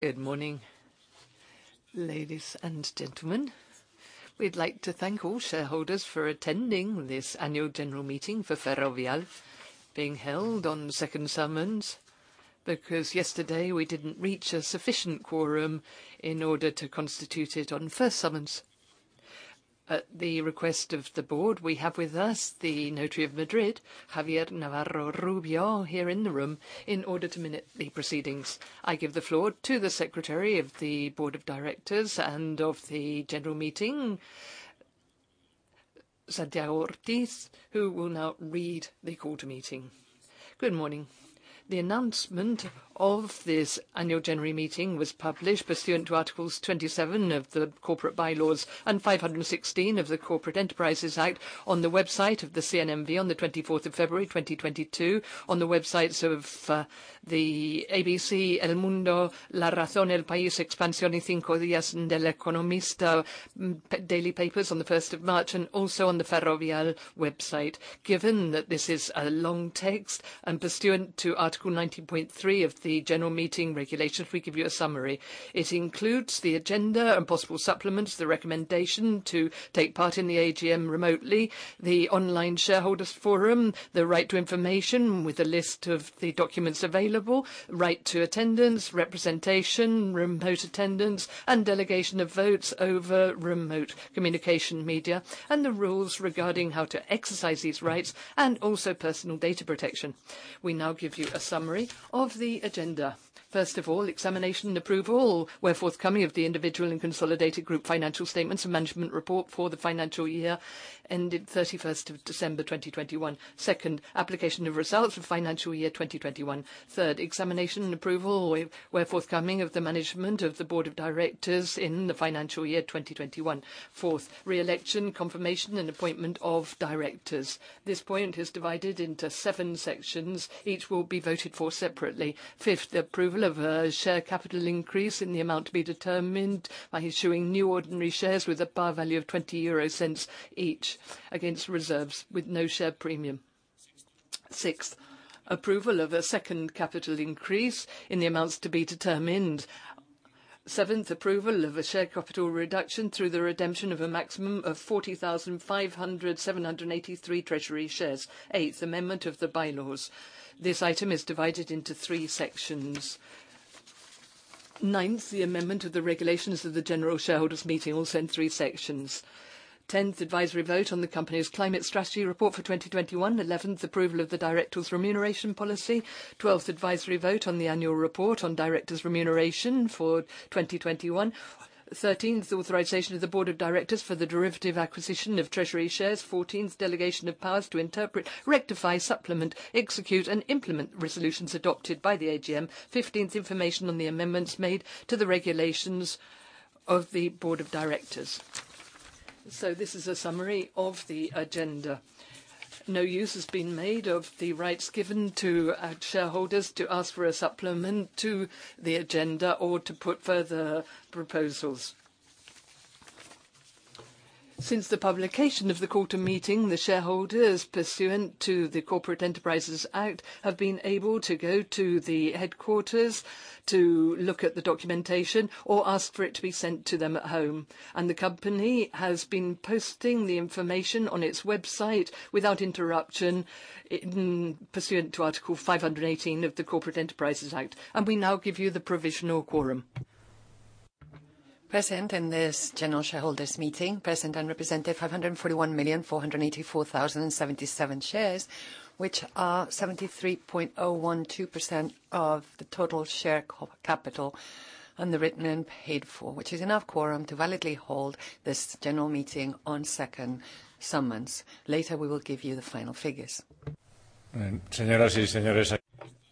Good morning, ladies and gentlemen. We'd like to thank all shareholders for attending this Annual General Meeting for Ferrovial being held on second summons, because yesterday we didn't reach a sufficient quorum in order to constitute it on first summons. At the request of the board, we have with us the notary of Madrid, Javier Navarro Rubio, here in the room in order to minute the proceedings. I give the floor to the Secretary of the Board of Directors and of the general meeting, Santiago Ortiz, who will now read the quorum. Good morning. The announcement of this annual general meeting was published pursuant to Article 27 of the Corporate Bylaws and 516 of the Corporate Enterprises Act on the website of the CNMV on the February 24th, 2022, on the websites of the ABC, El Mundo, La Razón, El País, Expansión y Cinco Días, El Economista daily papers on the March 1st, and also on the Ferrovial website. Given that this is a long text and pursuant to Article 19.3 of the General Meeting Regulations, we give you a summary. It includes the agenda and possible supplements, the recommendation to take part in the AGM remotely, the online shareholders forum, the right to information with a list of the documents available, right to attendance, representation, remote attendance, and delegation of votes over remote communication media, and the rules regarding how to exercise these rights, and also personal data protection. We now give you a summary of the agenda. First of all, examination and approval, where forthcoming, of the individual and consolidated group financial statements and management report for the financial year ending December 31st 2021. Second, application of results for financial year 2021. Third, examination and approval, where forthcoming, of the management of the Board of Directors in the financial year 2021. Fourth, re-election, confirmation, and appointment of directors. This point is divided into seven sections. Each will be voted for separately. Fifth, the approval of a share capital increase in the amount to be determined by issuing new ordinary shares with a par value of 0.20 each against reserves with no share premium. Sixth, approval of a second capital increase in the amounts to be determined. Seventh, approval of a share capital reduction through the redemption of a maximum of 40,508,783 treasury shares. Eighth, amendment of the Bylaws. This item is divided into three sections. Ninth, the amendment of the Regulations of the General Shareholders Meeting, also in three sections. 10th, advisory vote on the company's Climate Strategy Report for 2021. 11th, approval of the directors' remuneration policy. 12th, advisory vote on the annual report on directors' remuneration for 2021. 13th, authorization of the Board of Directors for the derivative acquisition of treasury shares. 14th, delegation of powers to interpret, rectify, supplement, execute, and implement resolutions adopted by the AGM. 15th, information on the amendments made to the regulations of the Board of Directors. This is a summary of the agenda. No use has been made of the rights given to our shareholders to ask for a supplement to the agenda or to put further proposals. Since the publication of the notice of the General Meeting, the shareholders, pursuant to the Corporate Enterprises Act, have been able to go to the headquarters to look at the documentation or ask for it to be sent to them at home. The company has been posting the information on its website without interruption pursuant to Article 518 of the Corporate Enterprises Act. We now give you the provisional quorum. Present in this General Shareholders' Meeting, present and represented, 541,484,077 shares, which are 73.012% of the total share capital issued and paid up, which is enough quorum to validly hold this general meeting on second summons. Later, we will give you the final figures.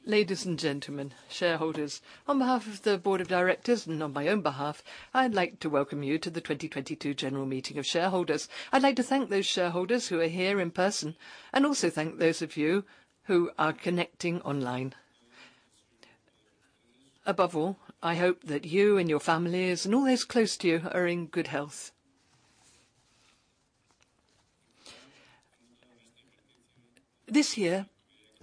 Ladies and gentlemen, shareholders, on behalf of the Board of Directors and on my own behalf, I'd like to welcome you to the 2022 general meeting of shareholders. I'd like to thank those shareholders who are here in person, and also thank those of you who are connecting online. Above all, I hope that you and your families and all those close to you are in good health. This year,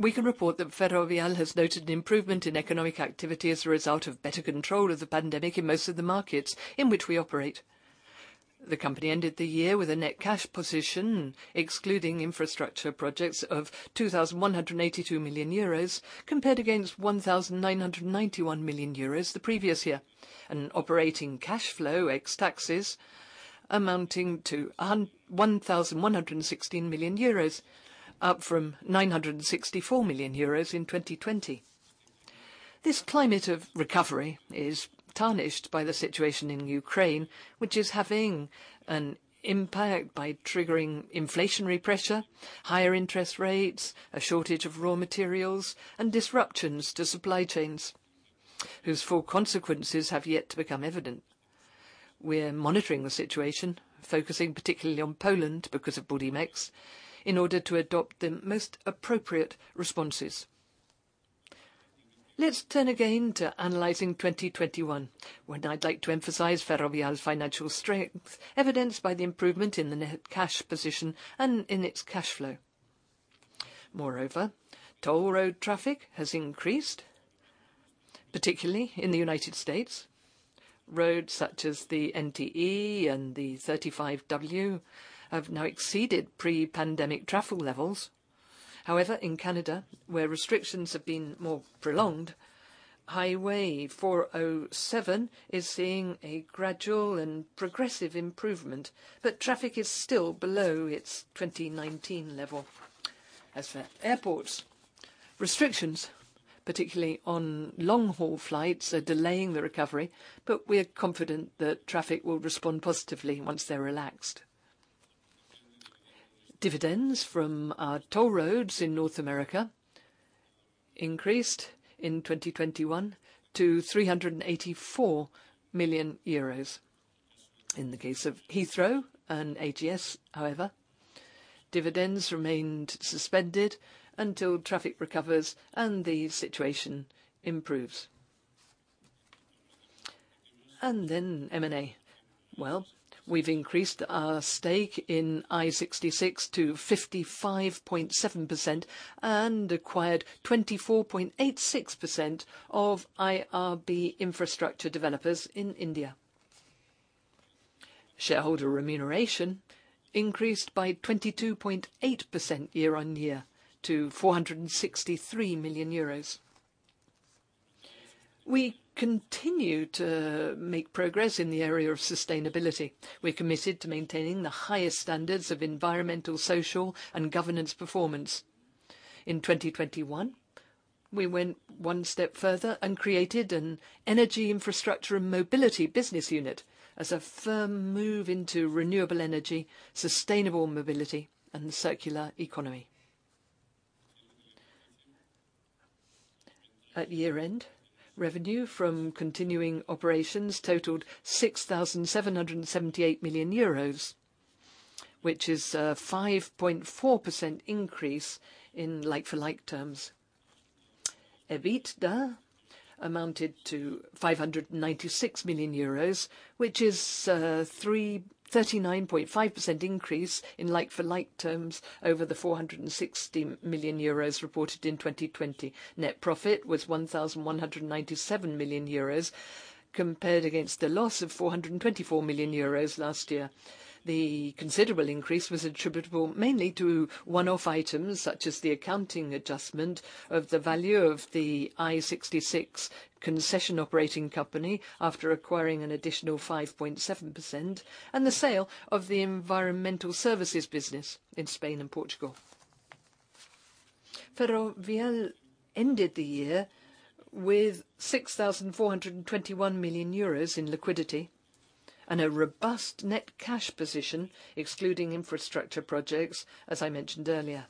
we can report that Ferrovial has noted an improvement in economic activity as a result of better control of the pandemic in most of the markets in which we operate. The company ended the year with a net cash position, excluding infrastructure projects, of 2,182 million euros, compared against 1,991 million euros the previous year. An operating cash flow, ex taxes, amounting to 1,116 million euros, up from 964 million euros in 2020. This climate of recovery is tarnished by the situation in Ukraine, which is having an impact by triggering inflationary pressure, higher interest rates, a shortage of raw materials, and disruptions to supply chains, whose full consequences have yet to become evident. We're monitoring the situation, focusing particularly on Poland because of Budimex, in order to adopt the most appropriate responses. Let's turn again to analyzing 2021, when I'd like to emphasize Ferrovial's financial strength, evidenced by the improvement in the net cash position and in its cash flow. Moreover, toll road traffic has increased, particularly in the United States. Roads such as the NTE and the I-35W have now exceeded pre-pandemic traffic levels. However, in Canada, where restrictions have been more prolonged, Highway 407 is seeing a gradual and progressive improvement, but traffic is still below its 2019 level. As for airports, restrictions, particularly on long-haul flights, are delaying the recovery, but we are confident that traffic will respond positively once they're relaxed. Dividends from our toll roads in North America increased in 2021 to 384 million euros. In the case of Heathrow and AGS, however, dividends remained suspended until traffic recovers and the situation improves. M&A. Well, we've increased our stake in I-66 to 55.7% and acquired 24.86% of IRB Infrastructure Developers in India. Shareholder remuneration increased by 22.8% year-on-year to EUR 463 million. We continue to make progress in the area of sustainability. We're committed to maintaining the highest standards of environmental, social, and governance performance. In 2021, we went one step further and created an energy infrastructure and mobility business unit as a firm move into renewable energy, sustainable mobility, and circular economy. At year-end, revenue from continuing operations totaled 6,778 million euros, which is a 5.4% increase in like for like terms. EBITDA amounted to 596 million euros, which is 39.5% increase in like for like terms over the 460 million euros reported in 2020. Net profit was 1,197 million euros, compared against a loss of 424 million euros last year. The considerable increase was attributable mainly to one-off items such as the accounting adjustment of the value of the I-66 concession operating company after acquiring an additional 5.7% and the sale of the environmental services business in Spain and Portugal. Ferrovial ended the year with 6,421 million euros in liquidity and a robust net cash position, excluding infrastructure projects, as I mentioned earlier.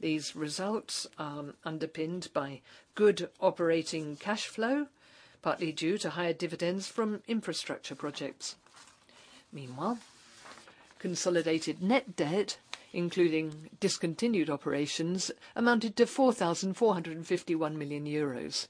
These results are underpinned by good operating cash flow, partly due to higher dividends from infrastructure projects. Meanwhile, consolidated net debt, including discontinued operations, amounted to 4,451 million euros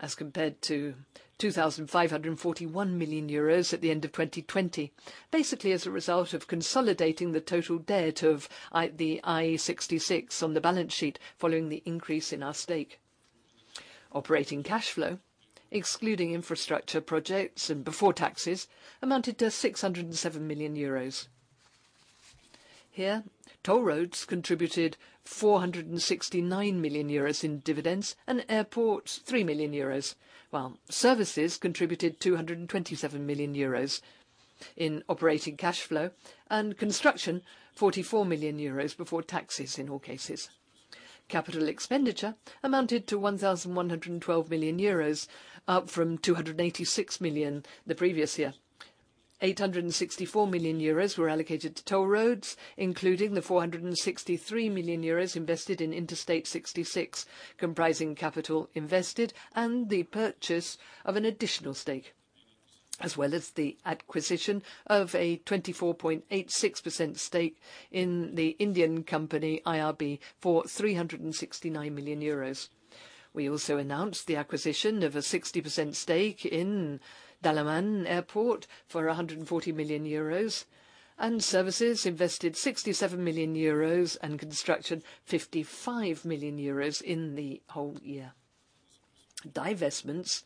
as compared to 2,541 million euros at the end of 2020, basically as a result of consolidating the total debt of the I-66 on the balance sheet following the increase in our stake. Operating cash flow, excluding infrastructure projects and before taxes, amounted to 607 million euros. Here, toll roads contributed 469 million euros in dividends and airports 3 million euros, while services contributed 227 million euros in operating cash flow and construction 44 million euros before taxes in all cases. Capital expenditure amounted to 1,112 million euros, up from 286 million the previous year. 864 million euros were allocated to toll roads, including the 463 million euros invested in Interstate 66, comprising capital invested and the purchase of an additional stake, as well as the acquisition of a 24.86% stake in the Indian company IRB for 369 million euros. We also announced the acquisition of a 60% stake in Dalaman Airport for 140 million euros, and services invested 67 million euros and constructed 55 million euros in the whole year. Divestments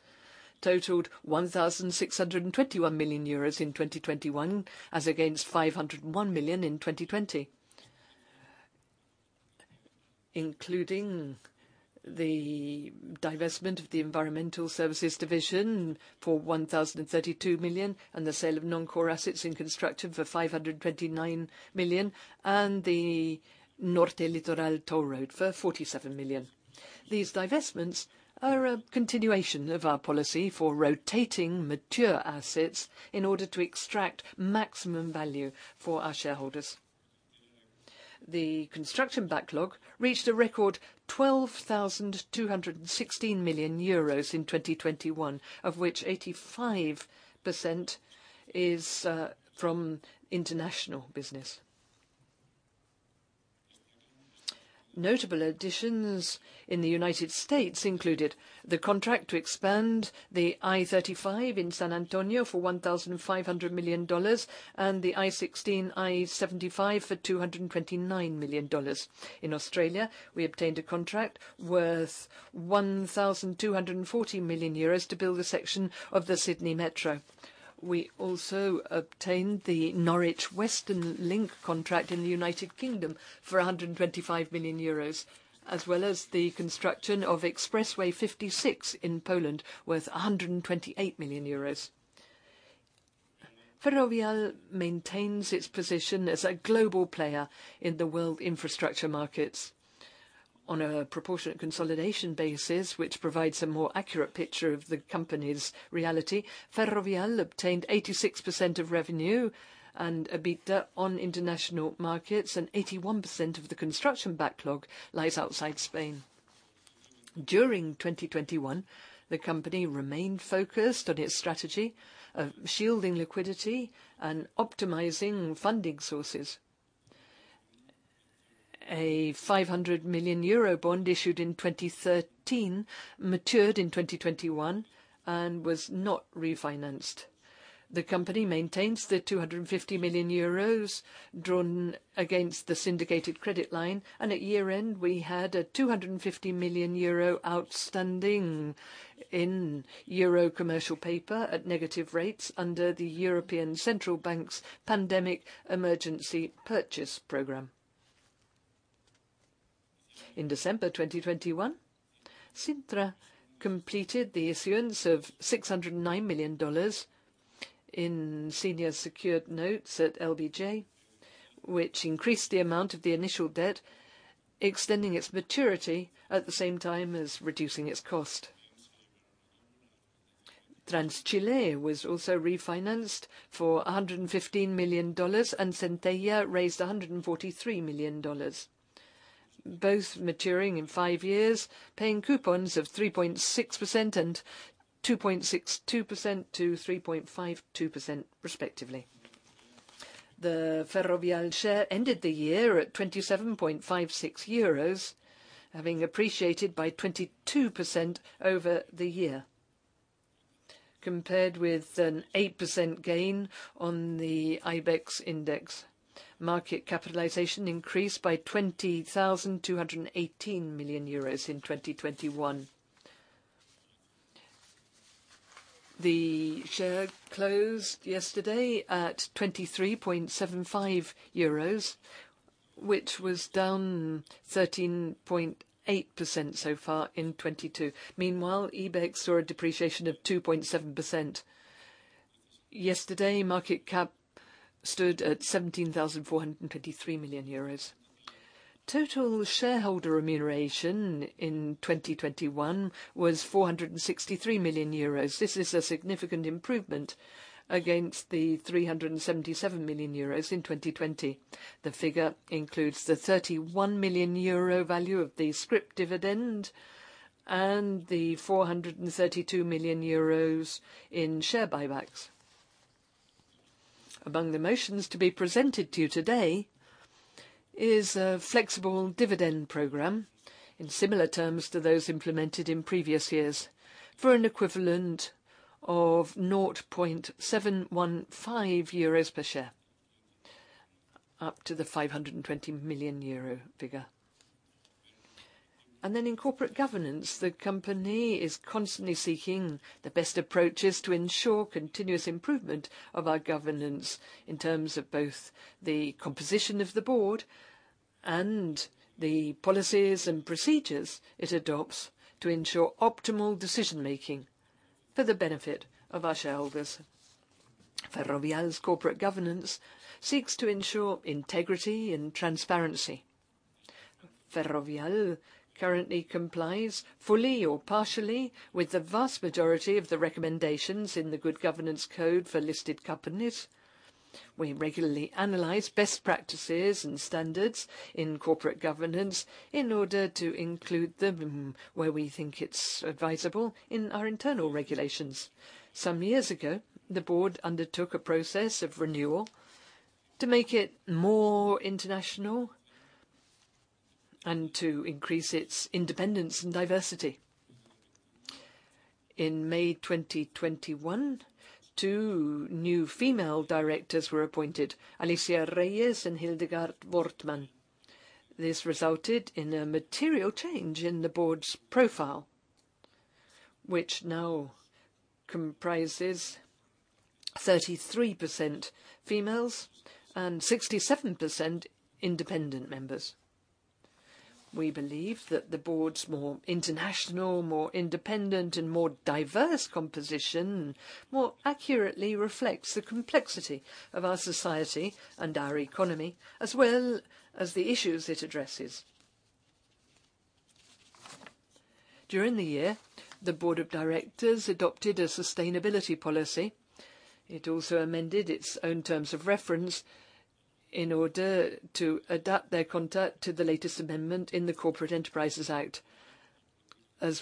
totaled 1,621 million euros in 2021 as against 501 million in 2020, including the divestment of the environmental services division for 1,032 million and the sale of non-core assets in construction for 529 million and the Norte Litoral toll road for 47 million. These divestments are a continuation of our policy for rotating mature assets in order to extract maximum value for our shareholders. The construction backlog reached a record 12,216 million euros in 2021, of which 85% is from international business. Notable additions in the United States included the contract to expand the I-35 in San Antonio for $1,500 million and the I-16/I-75 for $229 million. In Australia, we obtained a contract worth 1,240 million euros to build a section of the Sydney Metro. We also obtained the Norwich Western Link contract in the United Kingdom for 125 million euros, as well as the construction of S6 Expressway in Poland, worth 128 million euros. Ferrovial maintains its position as a global player in the world infrastructure markets. On a proportionate consolidation basis, which provides a more accurate picture of the company's reality, Ferrovial obtained 86% of revenue and EBITDA on international markets, and 81% of the construction backlog lies outside Spain. During 2021, the company remained focused on its strategy of shielding liquidity and optimizing funding sources. A 500 million euro bond issued in 2013 matured in 2021 and was not refinanced. The company maintains the 250 million euros drawn against the syndicated credit line, and at year-end, we had a 250 million euro outstanding in euro commercial paper at negative rates under the European Central Bank's pandemic emergency purchase programme. In December 2021, Cintra completed the issuance of $609 million in senior secured notes at LBJ, which increased the amount of the initial debt, extending its maturity at the same time as reducing its cost. Transchile was also refinanced for $115 million, and Centella raised $143 million, both maturing in five years, paying coupons of 3.6% and 2.62%-3.52% respectively. The Ferrovial share ended the year at 27.56 euros, having appreciated by 22% over the year, compared with an 8% gain on the IBEX index. Market capitalization increased by 20,218 million euros in 2021. The share closed yesterday at 23.75 euros, which was down 13.8% so far in 2022. Meanwhile, IBEX saw a depreciation of 2.7%. Yesterday, market cap stood at 17,423 million euros. Total shareholder remuneration in 2021 was 463 million euros. This is a significant improvement against the 377 million euros in 2020. The figure includes the 31 million euro value of the scrip dividend and the 432 million euros in share buybacks. Among the motions to be presented to you today is a flexible dividend program in similar terms to those implemented in previous years for an equivalent of 0.715 euros per share, up to the 520 million euro figure. In corporate governance, the company is constantly seeking the best approaches to ensure continuous improvement of our governance in terms of both the composition of the board and the policies and procedures it adopts to ensure optimal decision-making for the benefit of our shareholders. Ferrovial's corporate governance seeks to ensure integrity and transparency. Ferrovial currently complies fully or partially with the vast majority of the recommendations in the Good Governance Code for listed companies. We regularly analyze best practices and standards in corporate governance in order to include them where we think it's advisable in our internal regulations. Some years ago, the board undertook a process of renewal to make it more international and to increase its independence and diversity. In May 2021, two new female directors were appointed, Alicia Reyes and Hildegard Wortmann. This resulted in a material change in the board's profile, which now comprises 33% females and 67% independent members. We believe that the board's more international, more independent, and more diverse composition more accurately reflects the complexity of our society and our economy, as well as the issues it addresses. During the year, the board of directors adopted a sustainability policy. It also amended its own terms of reference, as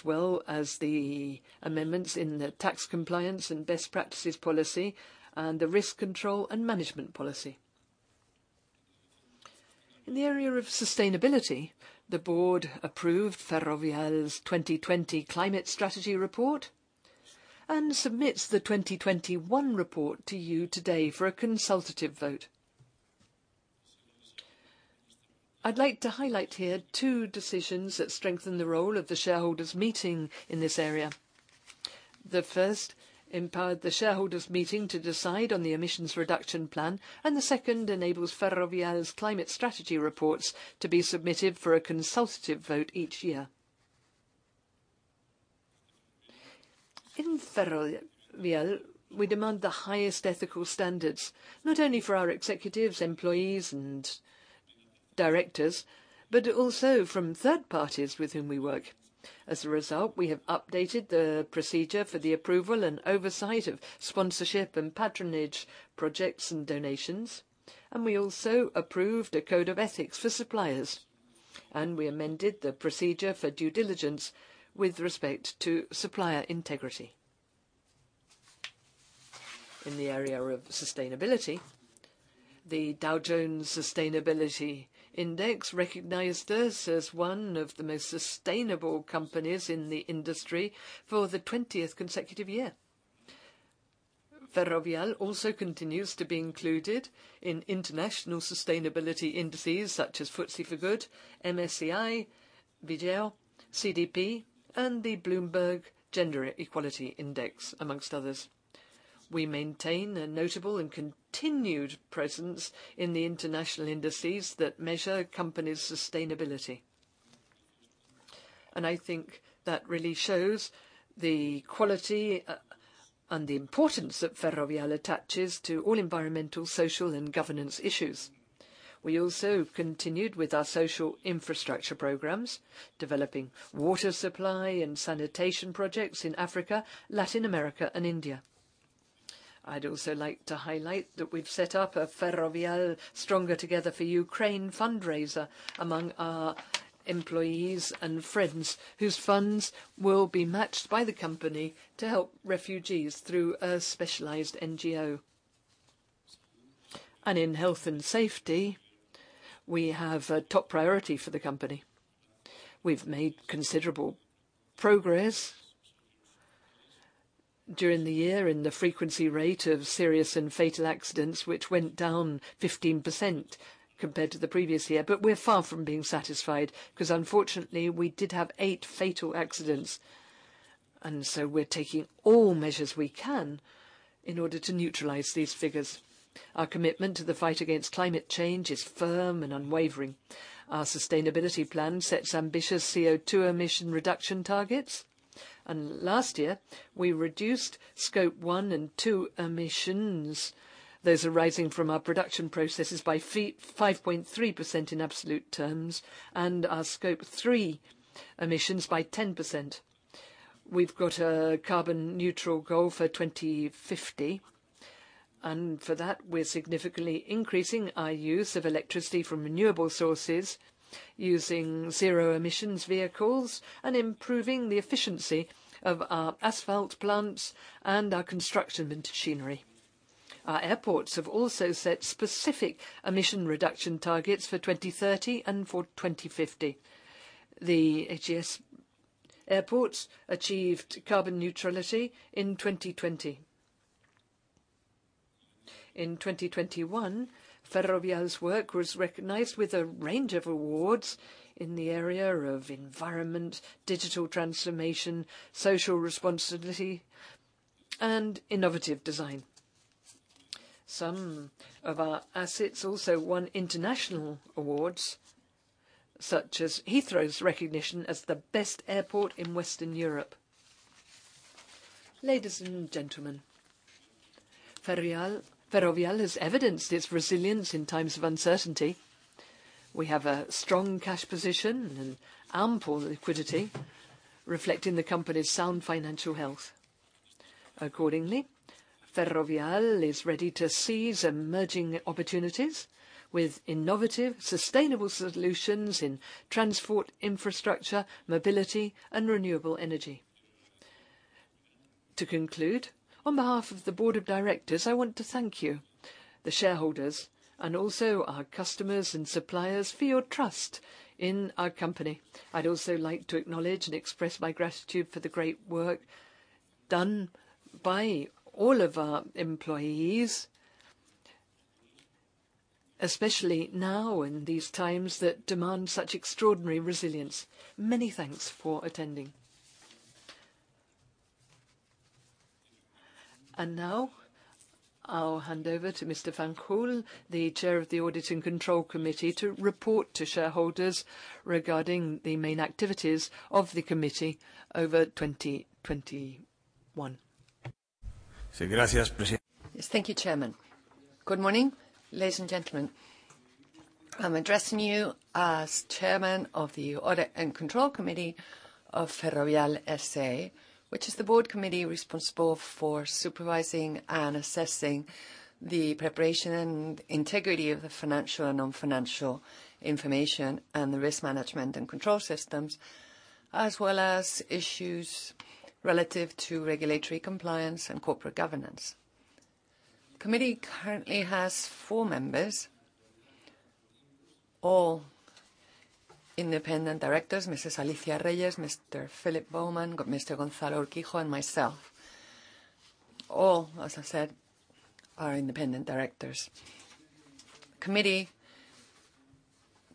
well as the amendments in the tax compliance and best practices policy and the risk control and management policy, in order to adapt their conduct to the latest amendment in the Corporate Enterprises Act. In the area of sustainability, the board approved Ferrovial's 2020 Climate Strategy report and submits the 2021 report to you today for a consultative vote. I'd like to highlight here two decisions that strengthen the role of the shareholders' meeting in this area. The first empowered the shareholders meeting to decide on the emissions reduction plan, and the second enables Ferrovial's climate strategy reports to be submitted for a consultative vote each year. In Ferrovial, we demand the highest ethical standards, not only for our executives, employees and directors, but also from third parties with whom we work. As a result, we have updated the procedure for the approval and oversight of sponsorship and patronage projects and donations, and we also approved a code of ethics for suppliers, and we amended the procedure for due diligence with respect to supplier integrity. In the area of sustainability, the Dow Jones Sustainability Index recognized us as one of the most sustainable companies in the industry for the twentieth consecutive year. Ferrovial also continues to be included in international sustainability indices such as FTSE4Good, MSCI, Vigeo, CDP, and the Bloomberg Gender-Equality Index, among others. We maintain a notable and continued presence in the international indices that measure companies' sustainability. I think that really shows the quality and the importance that Ferrovial attaches to all environmental, social, and governance issues. We also continued with our social infrastructure programs, developing water supply and sanitation projects in Africa, Latin America, and India. I'd also like to highlight that we've set up a Ferrovial Stronger Together for Ukraine fundraiser among our employees and friends, whose funds will be matched by the company to help refugees through a specialized NGO. In health and safety, we have a top priority for the company. We've made considerable progress during the year in the frequency rate of serious and fatal accidents, which went down 15% compared to the previous year. We're far from being satisfied because unfortunately, we did have eight fatal accidents, and so we're taking all measures we can in order to neutralize these figures. Our commitment to the fight against climate change is firm and unwavering. Our sustainability plan sets ambitious CO2 emission reduction targets. Last year, we reduced scope one and two emissions, those arising from our production processes by 5.3% in absolute terms, and our scope three emissions by 10%. We've got a carbon neutral goal for 2050, and for that, we're significantly increasing our use of electricity from renewable sources using zero-emissions vehicles and improving the efficiency of our asphalt plants and our construction machinery. Our airports have also set specific emission reduction targets for 2030 and for 2050. The AGS airports achieved carbon neutrality in 2020. In 2021, Ferrovial's work was recognized with a range of awards in the area of environment, digital transformation, social responsibility, and innovative design. Some of our assets also won international awards, such as Heathrow's recognition as the best airport in Western Europe. Ladies and gentlemen, Ferrovial has evidenced its resilience in times of uncertainty. We have a strong cash position and ample liquidity reflecting the company's sound financial health. Accordingly, Ferrovial is ready to seize emerging opportunities with innovative, sustainable solutions in transport, infrastructure, mobility, and renewable energy. To conclude, on behalf of the board of directors, I want to thank you, the shareholders, and also our customers and suppliers for your trust in our company. I'd also like to acknowledge and express my gratitude for the great work done by all of our employees, especially now in these times that demand such extraordinary resilience. Many thanks for attending. Now, I'll hand over to Mr. Fanjul, the Chair of the Audit and Control Committee, to report to shareholders regarding the main activities of the committee over 2021. Yes. Thank you, Chairman. Good morning, ladies and gentlemen. I'm addressing you as chairman of the Audit and Control Committee of Ferrovial SA, which is the board committee responsible for supervising and assessing the preparation and integrity of the financial and non-financial information and the risk management and control systems, as well as issues relative to regulatory compliance and corporate governance. Committee currently has four members, all independent directors, Mrs. Alicia Reyes, Mr. Philip Bowman, Mr. Gonzalo Urquijo, and myself. All, as I said, are independent directors. Committee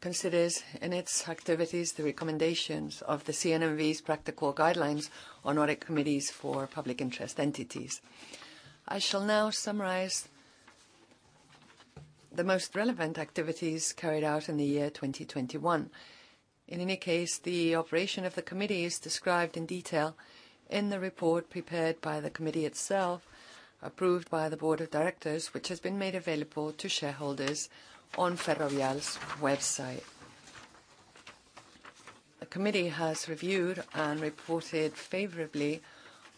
considers in its activities the recommendations of the CNMV's practical guidelines on audit committees for public interest entities. I shall now summarize the most relevant activities carried out in the year 2021. In any case, the operation of the committee is described in detail in the report prepared by the committee itself, approved by the board of directors, which has been made available to shareholders on Ferrovial's website. The committee has reviewed and reported favorably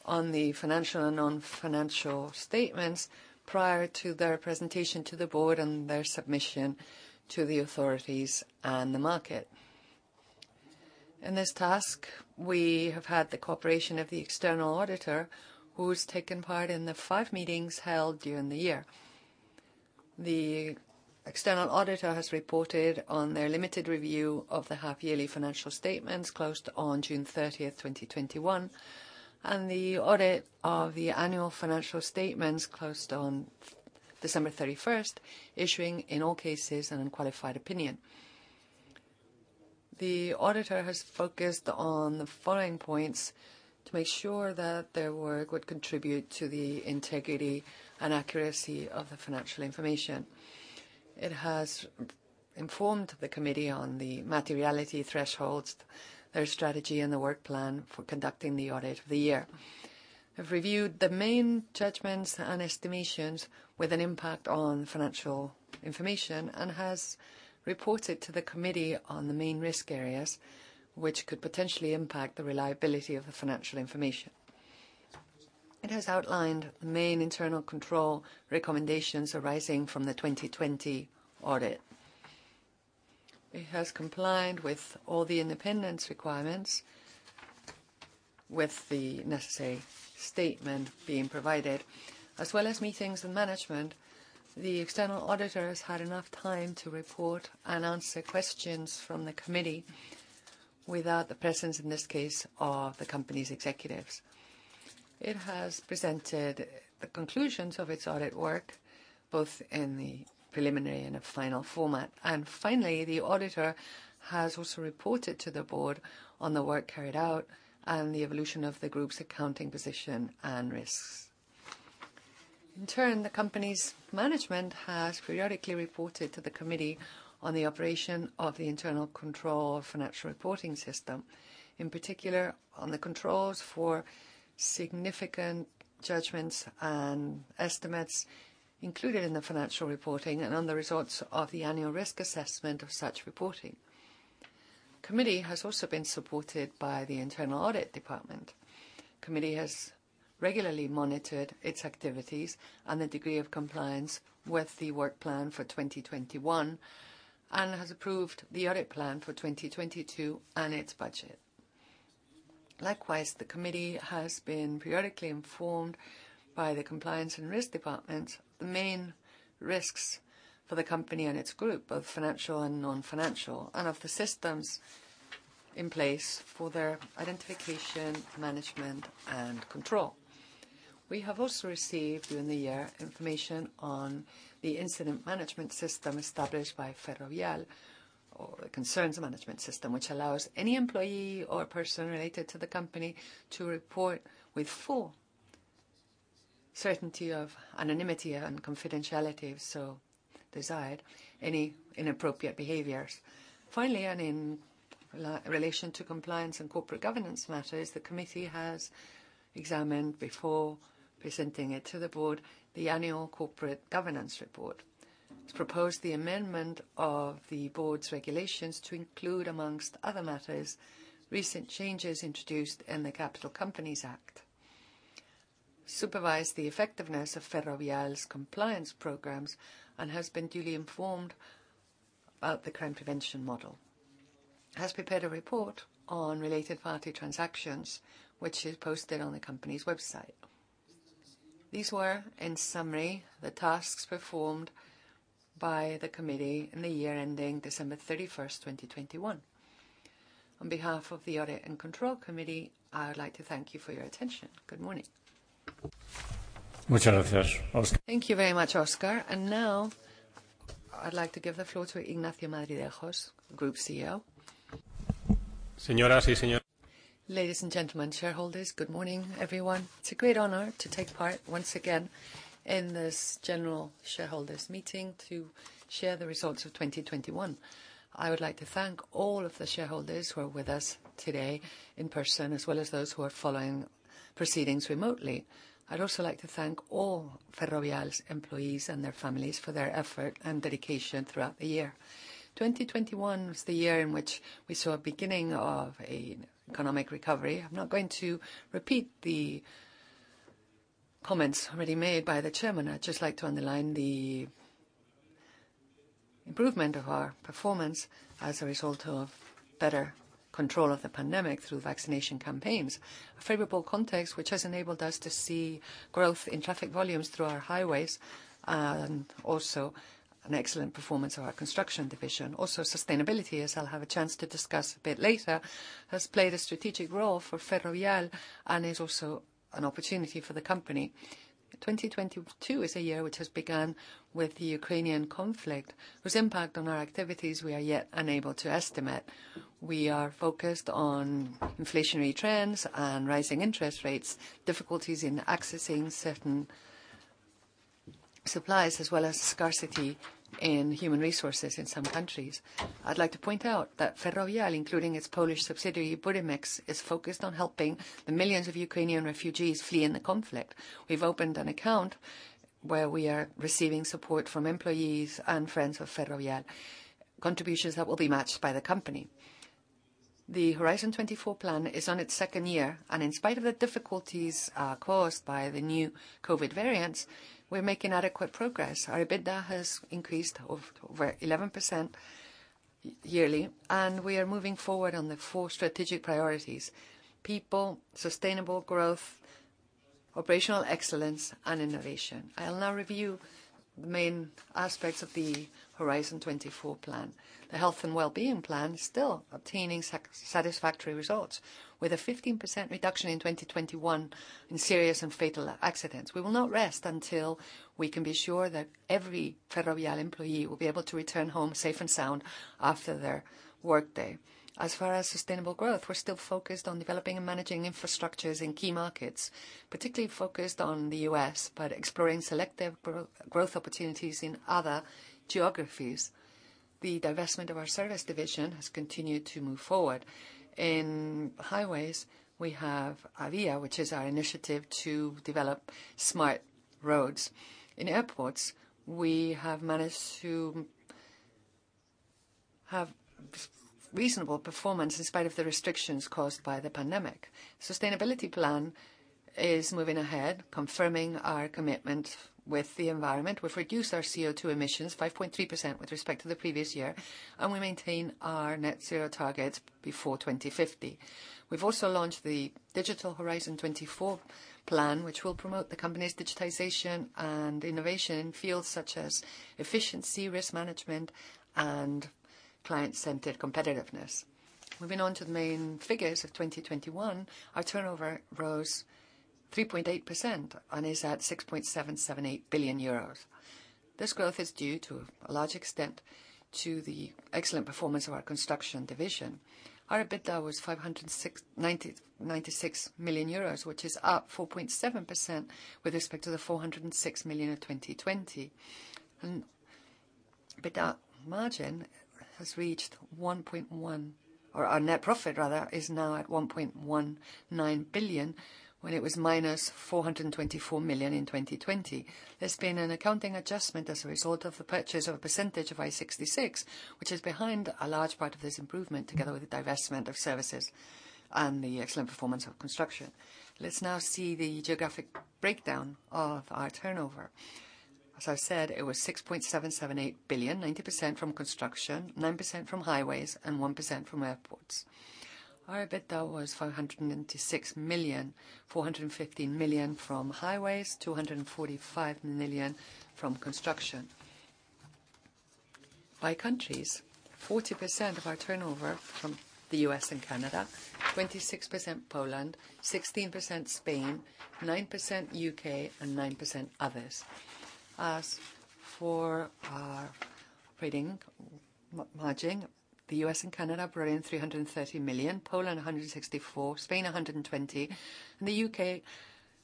on the financial and non-financial statements prior to their presentation to the board and their submission to the authorities and the market. In this task, we have had the cooperation of the external auditor, who has taken part in the five meetings held during the year. The external auditor has reported on their limited review of the half-yearly financial statements closed on June 30, 2021, and the audit of the annual financial statements closed on December 31, issuing, in all cases, an unqualified opinion. The auditor has focused on the following points to make sure that their work would contribute to the integrity and accuracy of the financial information. It has informed the committee on the materiality thresholds, their strategy, and the work plan for conducting the audit for the year. It has reviewed the main judgments and estimations with an impact on financial information and has reported to the committee on the main risk areas which could potentially impact the reliability of the financial information. It has outlined the main internal control recommendations arising from the 2020 audit. It has complied with all the independence requirements with the necessary statement being provided. As well as meetings with management, the external auditors had enough time to report and answer questions from the committee without the presence, in this case, of the company's executives. It has presented the conclusions of its audit work, both in the preliminary and a final format. Finally, the auditor has also reported to the board on the work carried out and the evolution of the group's accounting position and risks. In turn, the company's management has periodically reported to the committee on the operation of the internal control financial reporting system, in particular on the controls for significant judgments and estimates included in the financial reporting and on the results of the annual risk assessment of such reporting. The committee has also been supported by the internal audit department. The committee has regularly monitored its activities and the degree of compliance with the work plan for 2021 and has approved the audit plan for 2022 and its budget. Likewise, the committee has been periodically informed by the compliance and risk department of the main risks for the company and its group, both financial and non-financial, and of the systems in place for their identification, management, and control. We have also received during the year information on the incident management system established by Ferrovial, or the concerns management system, which allows any employee or person related to the company to report with full certainty of anonymity and confidentiality, if so desired, any inappropriate behaviors. Finally, and in relation to compliance and corporate governance matters, the committee has examined, before presenting it to the board, the annual corporate governance report. It has proposed the amendment of the board's regulations to include, among other matters, recent changes introduced in the Capital Companies Act, supervise the effectiveness of Ferrovial's compliance programs, and has been duly informed about the crime prevention model. It has prepared a report on related party transactions, which is posted on the company's website. These were, in summary, the tasks performed by the committee in the year ending December 31, 2021. On behalf of the Audit and Control Committee, I would like to thank you for your attention. Good morning. Oscar. Thank you very much, Óscar. Now I'd like to give the floor to Ignacio Madridejos, Group CEO. Ladies and gentlemen, shareholders, good morning, everyone. It's a great honor to take part once again in this general shareholders meeting to share the results of 2021. I would like to thank all of the shareholders who are with us today in person, as well as those who are following proceedings remotely. I'd also like to thank all Ferrovial's employees and their families for their effort and dedication throughout the year. 2021 was the year in which we saw a beginning of an economic recovery. I'm not going to repeat the comments already made by the chairman. I'd just like to underline the improvement of our performance as a result of better control of the pandemic through vaccination campaigns. A favorable context which has enabled us to see growth in traffic volumes through our highways, and also an excellent performance of our construction division. Sustainability, as I'll have a chance to discuss a bit later, has played a strategic role for Ferrovial and is also an opportunity for the company. 2022 is a year which has begun with the Ukrainian conflict, whose impact on our activities we are yet unable to estimate. We are focused on inflationary trends and rising interest rates, difficulties in accessing certain supplies, as well as scarcity in human resources in some countries. I'd like to point out that Ferrovial, including its Polish subsidiary, Budimex, is focused on helping the millions of Ukrainian refugees fleeing the conflict. We've opened an account where we are receiving support from employees and friends of Ferrovial, contributions that will be matched by the company. The Horizon 24 plan is on its second year, and in spite of the difficulties caused by the new COVID variants, we're making adequate progress. Our EBITDA has increased over 11% yearly, and we are moving forward on the four strategic priorities: people, sustainable growth, operational excellence, and innovation. I'll now review the main aspects of the Horizon 24 plan. The health and wellbeing plan is still obtaining satisfactory results, with a 15% reduction in 2021 in serious and fatal accidents. We will not rest until we can be sure that every Ferrovial employee will be able to return home safe and sound after their workday. As far as sustainable growth, we're still focused on developing and managing infrastructures in key markets, particularly focused on the U.S., but exploring selective growth opportunities in other geographies. The divestment of our service division has continued to move forward. In highways, we have AIVIA, which is our initiative to develop smart roads. In airports, we have managed to have reasonable performance in spite of the restrictions caused by the pandemic. Sustainability plan is moving ahead, confirming our commitment with the environment. We've reduced our CO2 emissions 5.3% with respect to the previous year, and we maintain our net zero targets before 2050. We've also launched the Digital Horizon 24 plan, which will promote the company's digitization and innovation in fields such as efficiency, risk management, and client-centered competitiveness. Moving on to the main figures of 2021, our turnover rose 3.8% and is at 6.778 billion euros. This growth is due to a large extent to the excellent performance of our construction division. Our EBITDA was 506...EUR 96 million, which is up 4.7% with respect to the 406 million of 2020. EBITDA margin has reached 1.1. Our net profit, rather, is now at 1.19 billion, when it was -424 million in 2020. There's been an accounting adjustment as a result of the purchase of a percentage of I-66, which is behind a large part of this improvement, together with the divestment of services and the excellent performance of construction. Let's now see the geographic breakdown of our turnover. As I said, it was 6.778 billion, 90% from construction, 9% from highways, and 1% from airports. Our EBITDA was 596 million, 415 million from highways, 245 million from construction. By countries, 40% of our turnover from the U.S. and Canada, 26% Poland, 16% Spain, 9% U.K., and 9% others. As for our operating margin, the U.S. and Canada brought in 330 million, Poland 164 million, Spain 120 million, and the U.K.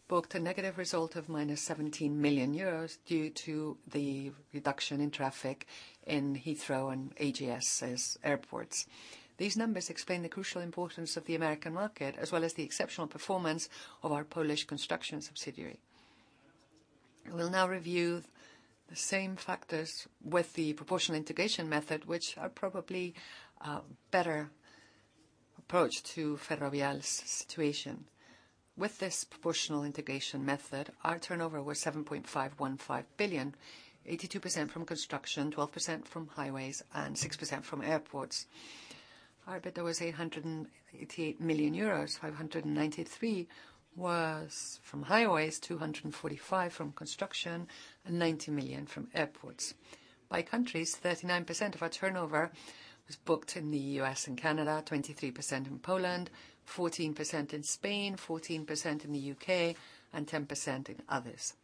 booked a negative result of -17 million euros due to the reduction in traffic in Heathrow and AGS' airports. These numbers explain the crucial importance of the American market, as well as the exceptional performance of our Polish construction subsidiary. We'll now review the same factors with the proportional integration method, which are probably a better approach to Ferrovial's situation. With this proportional integration method, our turnover was 7.515 billion, 82% from construction, 12% from highways, and 6% from airports. Our EBITDA was 888 million euros. 593 was from highways, 245 from construction, and 90 million from airports. By countries, 39% of our turnover was booked in the U.S. and Canada, 23% in Poland, 14% in Spain, 14% in the U.K., and 10% in others.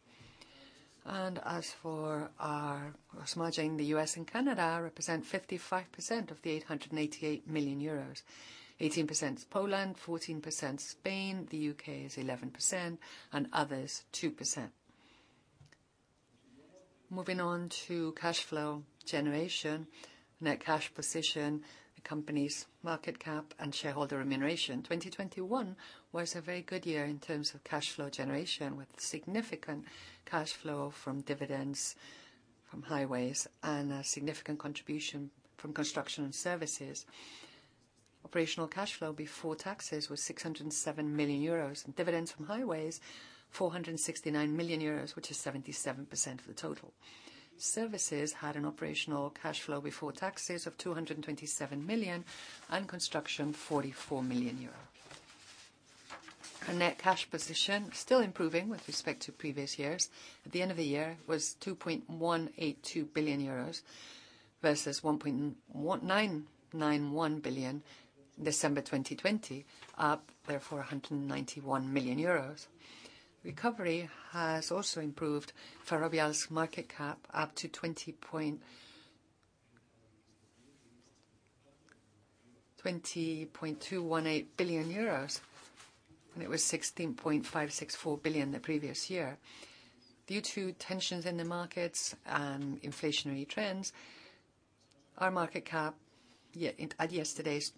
As for our gross margin, the U.S. and Canada represent 55% of the 888 million euros. 18% is Poland, 14% Spain, the U.K. is 11%, and others 2%. Moving on to cash flow generation, net cash position, the company's market cap, and shareholder remuneration. 2021 was a very good year in terms of cash flow generation, with significant cash flow from dividends from highways and a significant contribution from construction and services. Operational cash flow before taxes was 607 million euros, and dividends from highways, 469 million euros, which is 77% of the total. Services had an operational cash flow before taxes of 227 million, and construction 44 million euro. Our net cash position was still improving with respect to previous years. At the end of the year, it was 2.182 billion euros versus 1.1991 billion December 2020, up therefore 191 million euros. Recovery has also improved Ferrovial's market cap up to 20.218 billion euros, and it was 16.564 billion the previous year. Due to tensions in the markets and inflationary trends, our market cap at yesterday's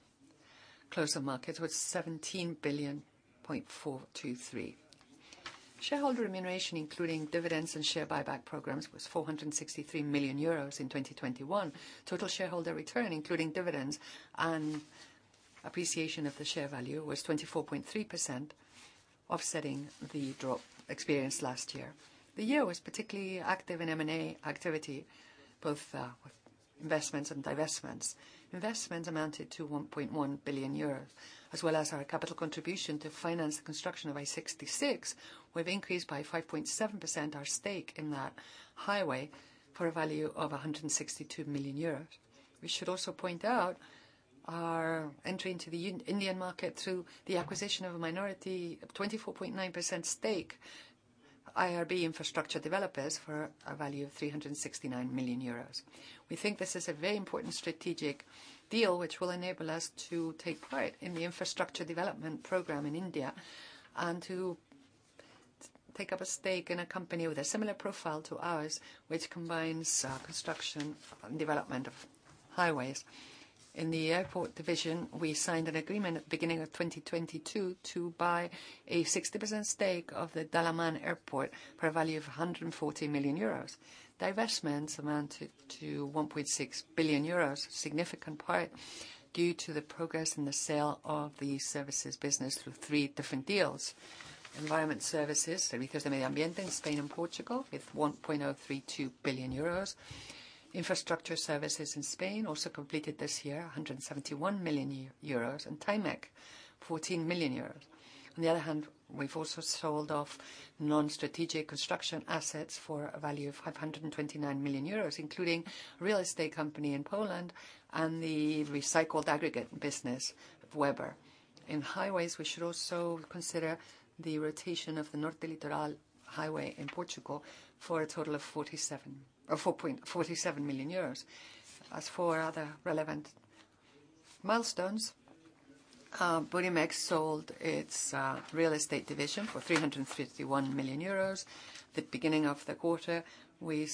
close of market was 17.423 billion. Shareholder remuneration, including dividends and share buyback programs, was 463 million euros in 2021. Total shareholder return, including dividends and appreciation of the share value, was 24.3%, offsetting the drop experienced last year. The year was particularly active in M&A activity, both with investments and divestments. Investments amounted to 1.1 billion euros, as well as our capital contribution to finance the construction of I-66. We've increased by 5.7% our stake in that highway for a value of 162 million euros. We should also point out our entry into the Indian market through the acquisition of a minority 24.9% stake in IRB Infrastructure Developers for a value of 369 million euros. We think this is a very important strategic deal which will enable us to take part in the infrastructure development program in India, and to take up a stake in a company with a similar profile to ours, which combines construction and development of highways. In the airport division, we signed an agreement at beginning of 2022 to buy a 60% stake of the Dalaman Airport for a value of 114 million euros. Divestments amounted to 1.6 billion euros, significant part due to the progress in the sale of the services business through three different deals. Environment services, Servicios de Medio Ambiente in Spain and Portugal, with 1.032 billion euros. Infrastructure services in Spain also completed this year, 171 million euros, and Timec, 14 million euros. On the other hand, we've also sold off non-strategic construction assets for a value of 529 million euros, including real estate company in Poland and the recycled aggregate business of Webber. In highways, we should also consider the rotation of the Norte Litoral highway in Portugal for a total of 47 million euros. As for other relevant milestones, Budimex sold its real estate division for 351 million euros. At the beginning of the quarter, we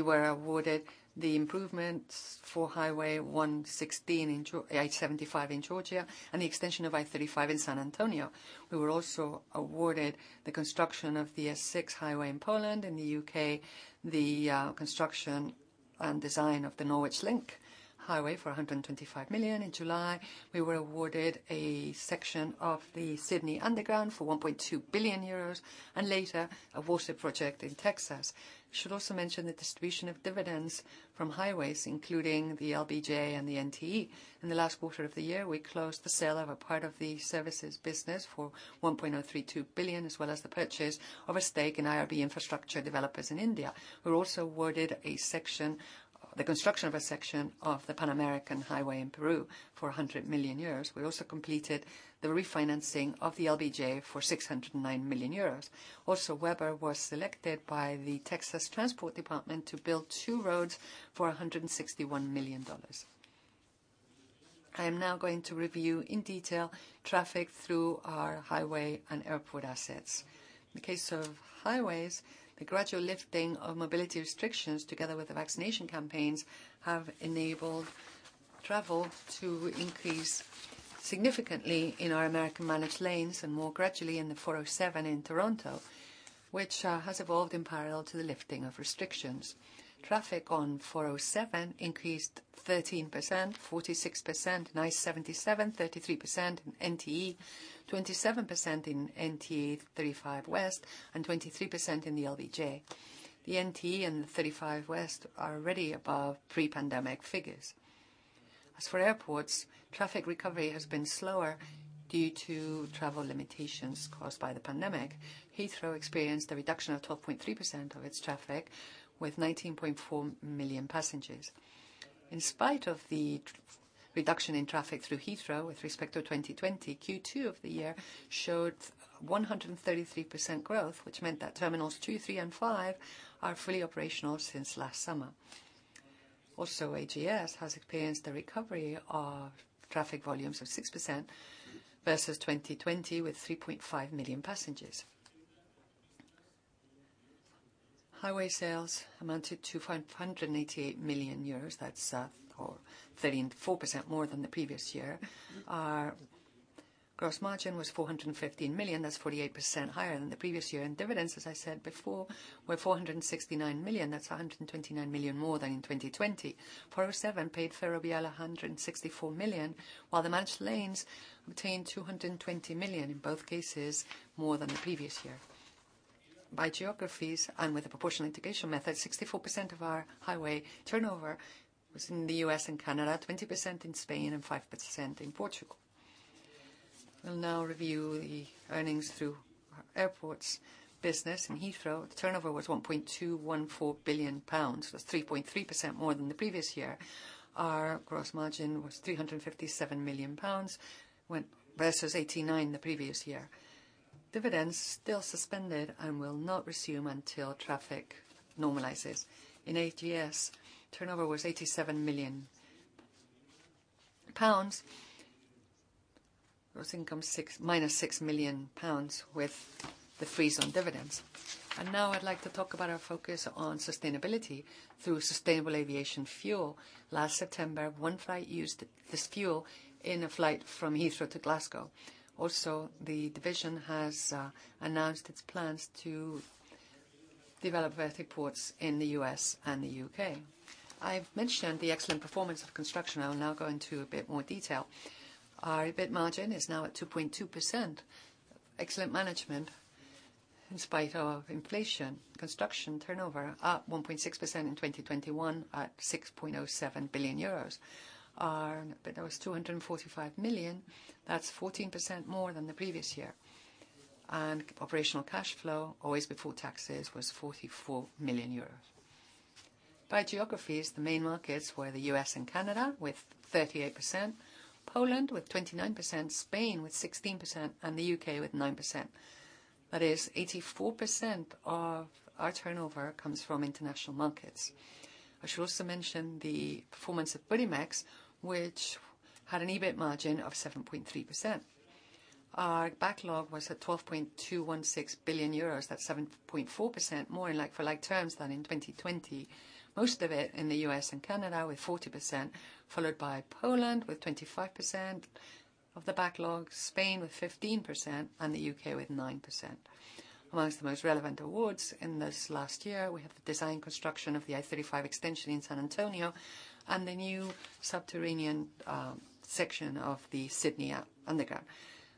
were awarded the improvements for I-16/I-75 in Georgia, and the extension of I-35 in San Antonio. We were also awarded the construction of the S6 highway in Poland. In the U.K., the construction and design of the Norwich Western Link for 125 million. In July, we were awarded a section of the Sydney Metro for 1.2 billion euros, and later a water project in Texas. Should also mention the distribution of dividends from highways, including the LBJ and the NTE. In the last quarter of the year, we closed the sale of a part of the services business for 1.032 billion, as well as the purchase of a stake in IRB Infrastructure Developers in India. We were also awarded the construction of a section of the Pan American Highway in Peru for 100 million euros. We also completed the refinancing of the LBJ for 609 million euros. Also, Webber was selected by the Texas Department of Transportation to build two roads for $161 million. I am now going to review in detail traffic through our highway and airport assets. In the case of highways, the gradual lifting of mobility restrictions together with the vaccination campaigns have enabled travel to increase significantly in our American managed lanes and more gradually in the 407 in Toronto, which has evolved in parallel to the lifting of restrictions. Traffic on 407 increased 13%, 46% in I-77, 33% in NTE, 27% in NTE 35 West, and 23% in the LBJ. The NTE and the 35 West are already above pre-pandemic figures. As for airports, traffic recovery has been slower due to travel limitations caused by the pandemic. Heathrow experienced a reduction of 12.3% of its traffic with 19.4 million passengers. In spite of the reduction in traffic through Heathrow with respect to 2020, Q2 of the year showed 133% growth, which meant that terminals two, three, and five are fully operational since last summer. AGS has experienced a recovery of traffic volumes of 6% versus 2020 with 3.5 million passengers. Highways sales amounted to 188 million euros, that's or 34% more than the previous year. Our gross margin was $415 million, that's 48% higher than the previous year. Dividends, as I said before, were 469 million, that's 129 million more than in 2020. 407 paid Ferrovial 164 million, while the managed lanes retained 220 million, in both cases, more than the previous year. By geographies and with the proportional integration method, 64% of our highway turnover was in the U.S. and Canada, 20% in Spain, and 5% in Portugal. We'll now review the earnings through our airports business. In Heathrow, the turnover was 1.214 billion pounds. That's 3.3% more than the previous year. Our gross margin was 357 million pounds versus 89 million the previous year. Dividends still suspended and will not resume until traffic normalizes. In AGS, turnover was 87 million pounds. Gross income minus 6 million pounds with the freeze on dividends. Now I'd like to talk about our focus on sustainability through Sustainable Aviation Fuel. Last September, one flight used this fuel on a flight from Heathrow to Glasgow. Also, the division has announced its plans to develop vertiports in the U.S. and the U.K. I've mentioned the excellent performance of construction. I'll now go into a bit more detail. Our EBIT margin is now at 2.2%. Excellent management, in spite of inflation. Construction turnover up 1.6% in 2021 at 6.07 billion euros. Our EBITDA was 245 million, that's 14% more than the previous year. Operational cash flow, always before taxes, was 44 million euros. By geographies, the main markets were the U.S. and Canada with 38%, Poland with 29%, Spain with 16%, and the U.K. with 9%. That is 84% of our turnover comes from international markets. I should also mention the performance of Budimex, which had an EBIT margin of 7.3%. Our backlog was at 12.216 billion euros, that's 7.4% more in like for like terms than in 2020. Most of it in the U.S. and Canada, with 40%, followed by Poland with 25% of the backlog, Spain with 15%, and the U.K. with 9%. Among the most relevant awards in this last year, we have the design construction of the I-35 extension in San Antonio and the new subterranean section of the Sydney Metro.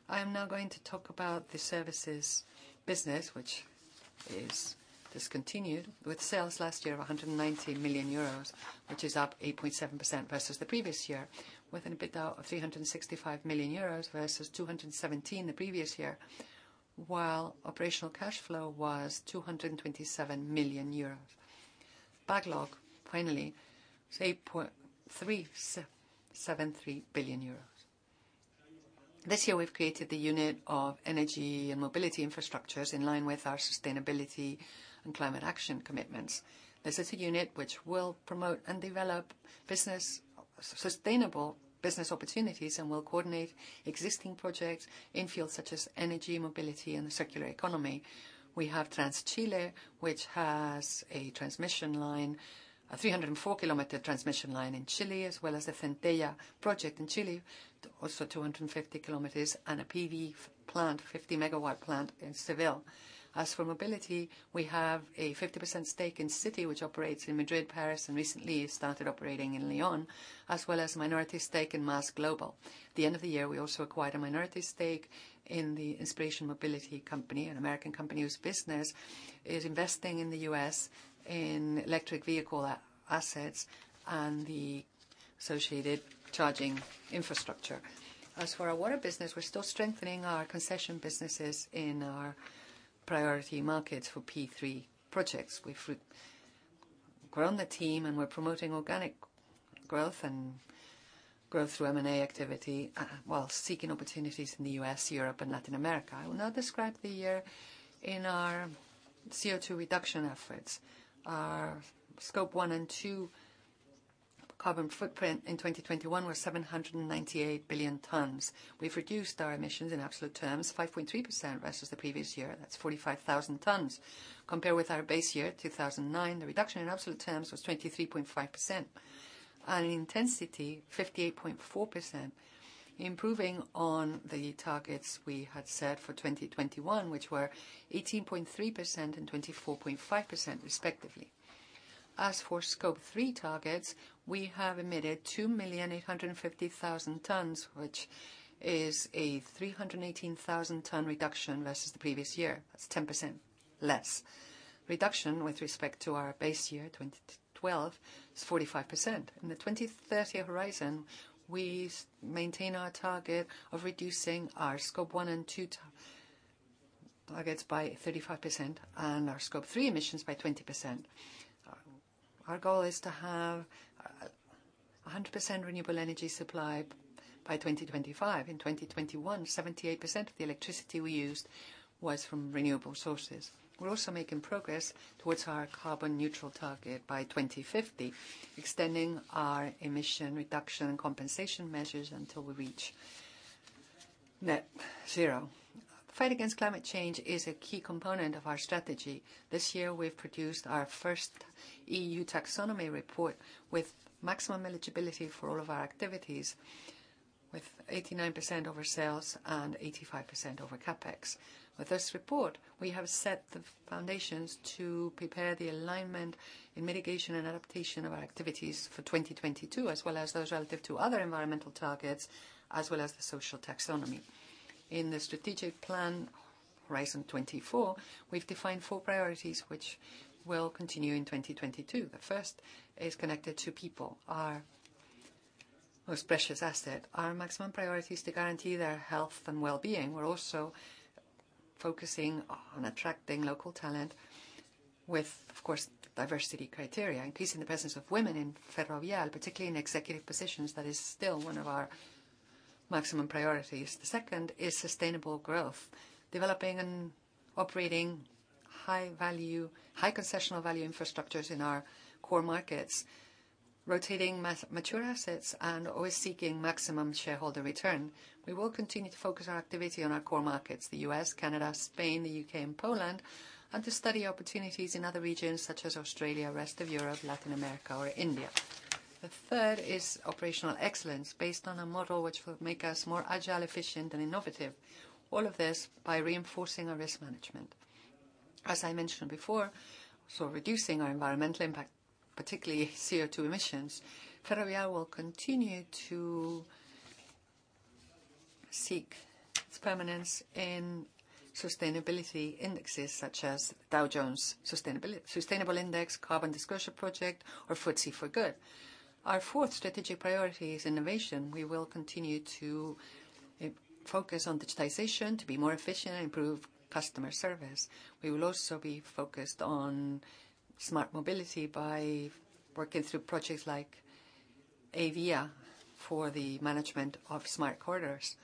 I am now going to talk about the services business, which is discontinued with sales last year of 190 million euros, which is up 8.7% versus the previous year, with an EBITDA of 365 million euros versus 217 the previous year, while operational cash flow was 227 million euros. Backlog, finally, is 8.373 billion euros. This year, we've created the unit of energy and mobility infrastructures in line with our sustainability and climate action commitments. This is a unit which will promote and develop business, sustainable business opportunities, and will coordinate existing projects in fields such as energy, mobility, and the circular economy. We have Transchile, which has a transmission line, a 304 km transmission line in Chile, as well as the Centella project in Chile, also 250 km, and a PV plant, 50 MW plant in Seville. As for mobility, we have a 50% stake in Zity, which operates in Madrid, Paris, and recently started operating in Lyon, as well as a minority stake in MaaS Global. At the end of the year, we also acquired a minority stake in the Inspiration Mobility company, an American company whose business is investing in the U.S. in electric vehicle assets and the associated charging infrastructure. As for our water business, we're still strengthening our concession businesses in our priority markets for P3 projects. We've grown the team, and we're promoting organic growth and growth through M&A activity, while seeking opportunities in the U.S., Europe, and Latin America. I will now describe the year in our CO2 reduction efforts. Our Scope 1 and Scope 2 carbon footprint in 2021 was 798 billion tons. We've reduced our emissions in absolute terms 5.3% versus the previous year. That's 45,000 tons. Compared with our base year, 2009, the reduction in absolute terms was 23.5%. In intensity, 58.4%, improving on the targets we had set for 2021, which were 18.3% and 24.5% respectively. As for scope three targets, we have emitted 2,850,000 tons, which is a 318,000-ton reduction versus the previous year. That's 10% less. Reduction with respect to our base year, 2012, is 45%. In the 2030 horizon, we maintain our target of reducing our Scope 1 and 2 targets by 35% and our scope three emissions by 20%. Our goal is to have 100% renewable energy supply by 2025. In 2021, 78% of the electricity we used was from renewable sources. We're also making progress towards our carbon neutral target by 2050, extending our emission reduction and compensation measures until we reach net zero. The fight against climate change is a key component of our strategy. This year, we've produced our first EU Taxonomy report with maximum eligibility for all of our activities, with 89% of our sales and 85% of our CapEx. With this report, we have set the foundations to prepare the alignment in mitigation and adaptation of our activities for 2022, as well as those relative to other environmental targets, as well as the social taxonomy. In the strategic plan, Horizon 24, we've defined four priorities which will continue in 2022. The first is connected to people, our most precious asset. Our maximum priority is to guarantee their health and well-being. We're also focusing on attracting local talent with, of course, diversity criteria, increasing the presence of women in Ferrovial, particularly in executive positions. That is still one of our maximum priorities. The second is sustainable growth, developing and operating high-value, high concessional value infrastructures in our core markets, rotating mature assets, and always seeking maximum shareholder return. We will continue to focus our activity on our core markets, the U.S., Canada, Spain, the U.K., and Poland, and to study opportunities in other regions such as Australia, rest of Europe, Latin America or India. The third is operational excellence based on a model which will make us more agile, efficient, and innovative, all of this by reinforcing our risk management. As I mentioned before, reducing our environmental impact, particularly CO2 emissions, Ferrovial will continue to seek its permanence in sustainability indexes such as Dow Jones Sustainability Index, Carbon Disclosure Project, or FTSE4Good. Our fourth strategic priority is innovation. We will continue to focus on digitization to be more efficient and improve customer service. We will also be focused on smart mobility by working through projects like AIVIA for the management of smart corridors.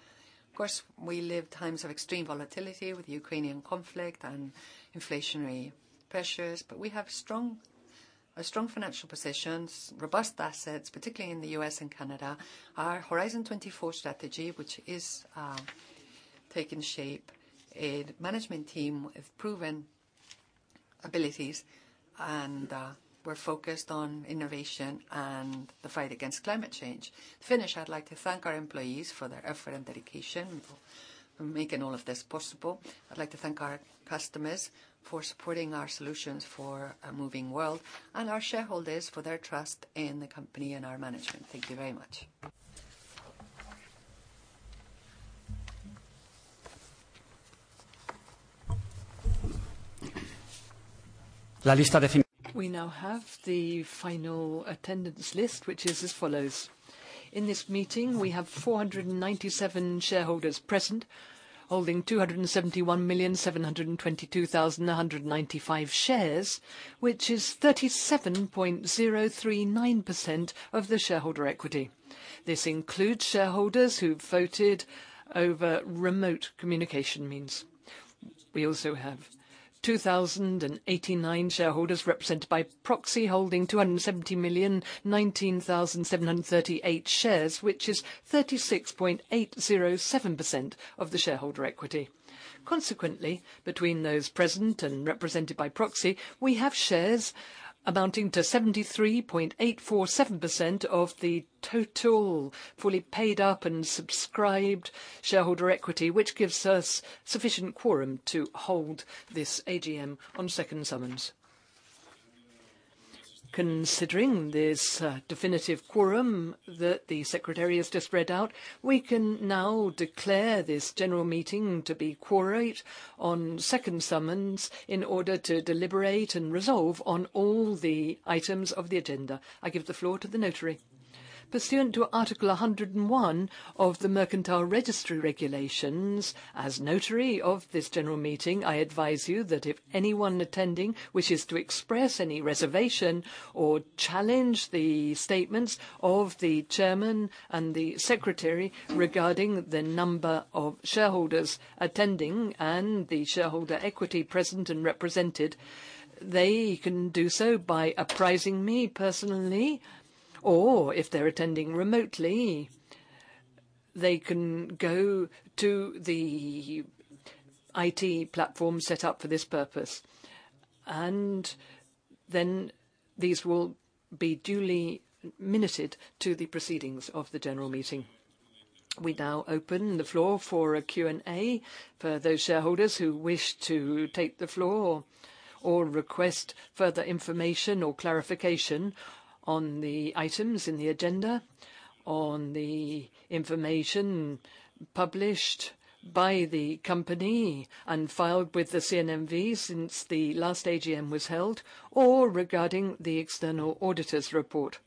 Of course, we live in times of extreme volatility with the Ukrainian conflict and inflationary pressures, but we have a strong financial positions, robust assets, particularly in the U.S. and Canada. Our Horizon 24 strategy, which is taking shape, a management team with proven abilities, and we're focused on innovation and the fight against climate change. To finish, I'd like to thank our employees for their effort and dedication for making all of this possible. I'd like to thank our customers for supporting our solutions for a moving world, and our shareholders for their trust in the company and our management. Thank you very much. We now have the final attendance list, which is as follows. In this meeting, we have 497 shareholders present, holding 271,722,195 shares, which is 37.039% of the shareholder equity. This includes shareholders who voted over remote communication means. We also have 2,089 shareholders represented by proxy holding 270,019,738 shares, which is 36.807% of the shareholder equity. Consequently, between those present and represented by proxy, we have shares amounting to 73.847% of the total fully paid up and subscribed shareholder equity, which gives us sufficient quorum to hold this AGM on second summons. Considering this, definitive quorum that the secretary has just read out, we can now declare this general meeting to be quorate on second summons in order to deliberate and resolve on all the items of the agenda. I give the floor to the notary. Pursuant to Article 101 of the Commercial Registry Regulations, as notary of this general meeting, I advise you that if anyone attending wishes to express any reservation or challenge the statements of the chairman and the secretary regarding the number of shareholders attending and the shareholder equity present and represented, they can do so by apprising me personally. Or if they're attending remotely, they can go to the IT platform set up for this purpose, and then these will be duly minuted to the proceedings of the general meeting. We now open the floor for a Q&A for those shareholders who wish to take the floor or request further information or clarification on the items in the agenda, on the information published by the company and filed with the CNMV since the last AGM was held, or regarding the external auditor's report.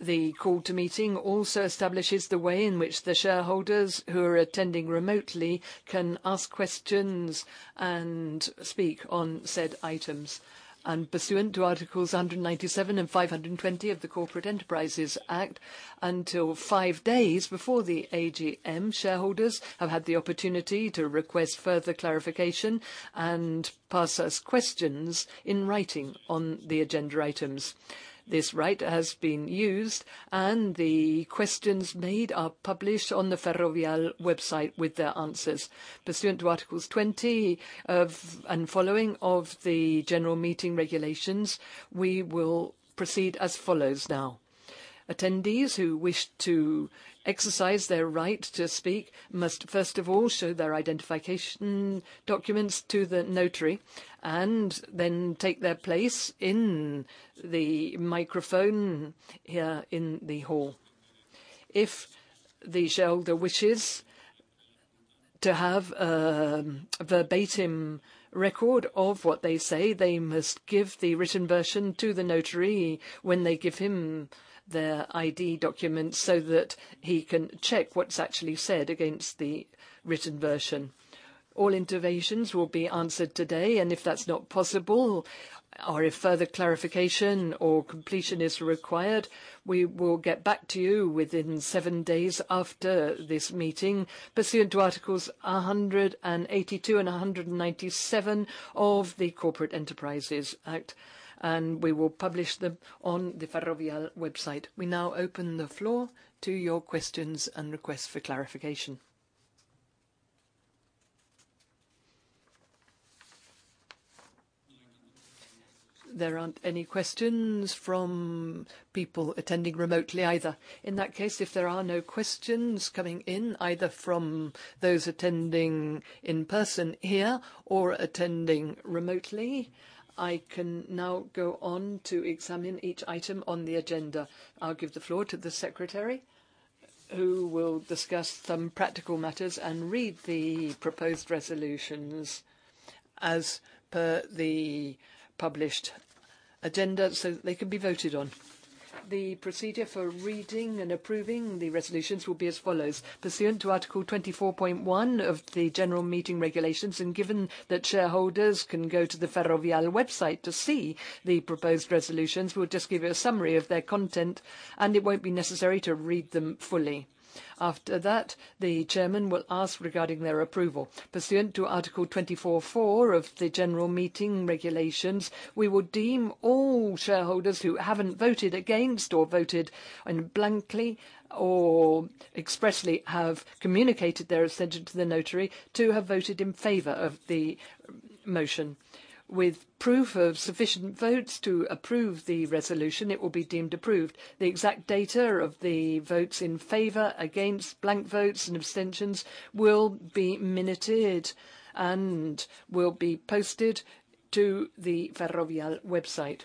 The call to meeting also establishes the way in which the shareholders who are attending remotely can ask questions and speak on said items. Pursuant to Articles 197 and 520 of the Corporate Enterprises Act, until five days before the AGM, shareholders have had the opportunity to request further clarification and pass us questions in writing on the agenda items. This right has been used, and the questions made are published on the Ferrovial website with their answers. Pursuant to Article 20 and following of the General Meeting Regulations, we will proceed as follows now. Attendees who wish to exercise their right to speak must first of all show their identification documents to the notary and then take their place in the microphone here in the hall. If the shareholder wishes to have a verbatim record of what they say, they must give the written version to the notary when they give him their ID document, so that he can check what's actually said against the written version. All interventions will be answered today, and if that's not possible or if further clarification or completion is required, we will get back to you within seven days after this meeting pursuant to Articles 182 and 197 of the Corporate Enterprises Act, and we will publish them on the Ferrovial website. We now open the floor to your questions and requests for clarification. There aren't any questions from people attending remotely either. In that case, if there are no questions coming in, either from those attending in person here or attending remotely, I can now go on to examine each item on the agenda. I'll give the floor to the secretary who will discuss some practical matters and read the proposed resolutions as per the published agenda so that they can be voted on. The procedure for reading and approving the resolutions will be as follows. Pursuant to Article 24.1 of the General Meeting Regulations, and given that shareholders can go to the Ferrovial website to see the proposed resolutions, we'll just give you a summary of their content, and it won't be necessary to read them fully. After that, the chairman will ask regarding their approval. Pursuant to Article 24.4 of the General Meeting Regulations, we will deem all shareholders who haven't voted against or voted blank or expressly have communicated their assent to the notary to have voted in favor of the motion. With proof of sufficient votes to approve the resolution, it will be deemed approved. The exact data of the votes in favor, against, blank votes and abstentions will be minuted and will be posted to the Ferrovial website.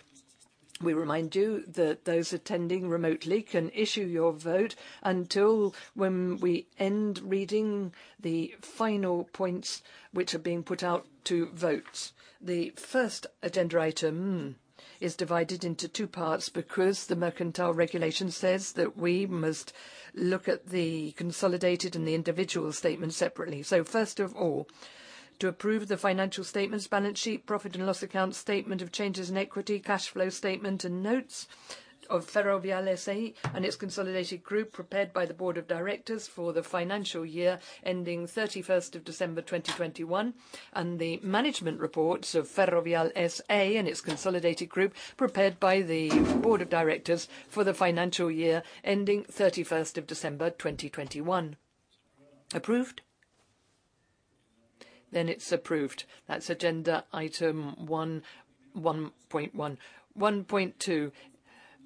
We remind you that those attending remotely can issue your vote until when we end reading the final points which are being put out to votes. The first agenda item is divided into two parts because the Commercial Registry regulations say that we must look at the consolidated and the individual statement separately. First of all, to approve the financial statements, balance sheet, profit and loss account statement of changes in equity, cash flow statement, and notes of Ferrovial S.A. and its consolidated group prepared by the board of directors for the financial year ending December 31 2021, and the management reports of Ferrovial S.A. and its consolidated group prepared by the board of directors for the financial year ending December 31 2021. Approved? Then it's approved. That's agenda item 1.1. 1.2,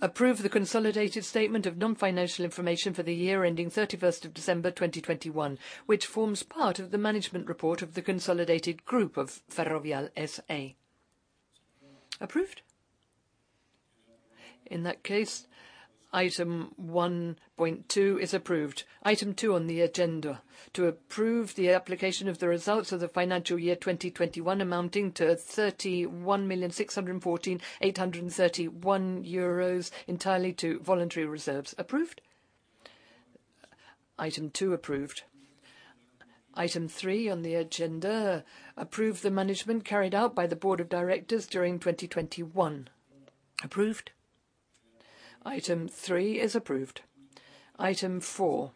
approve the consolidated statement of non-financial information for the year ending December 31 2021, which forms part of the management report of the consolidated group of Ferrovial S.A. Approved? In that case, item 1.2 is approved. Item two on the agenda, to approve the application of the results of the financial year 2021 amounting to 31,614,831 euros entirely to voluntary reserves. Approved? Item two approved. Item three on the agenda, approve the management carried out by the board of directors during 2021. Approved? Item three is approved. Item four.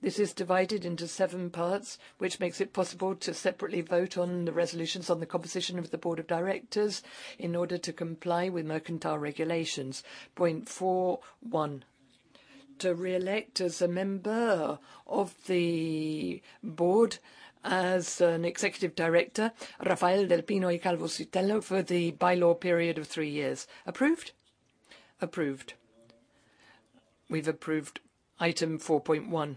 This is divided into seven parts, which makes it possible to separately vote on the resolutions on the composition of the board of directors in order to comply with Mercantile Regulations. Point 4.1, to re-elect as a member of the board as an executive director, Rafael del Pino y Calvo-Sotelo for the bylaws period of three years. Approved? Approved. We've approved item four point one.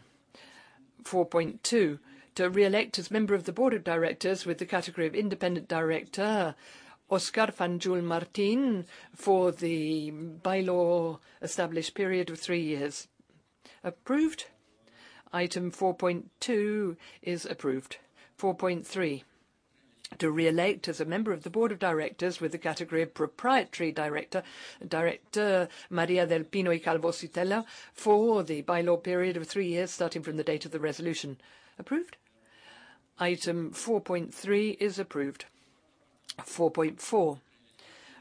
4.2, to re-elect as member of the Board of Directors with the category of independent director, Óscar Fanjul Martín, for the bylaw established period of three years. Approved? Item 4.2 is approved. 4.3 To re-elect as a member of the Board of Directors with the category of proprietary director, Director María del Pino y Calvo-Sotelo for the bylaw period of three years starting from the date of the resolution. Approved? Item 4.3 is approved. 4.4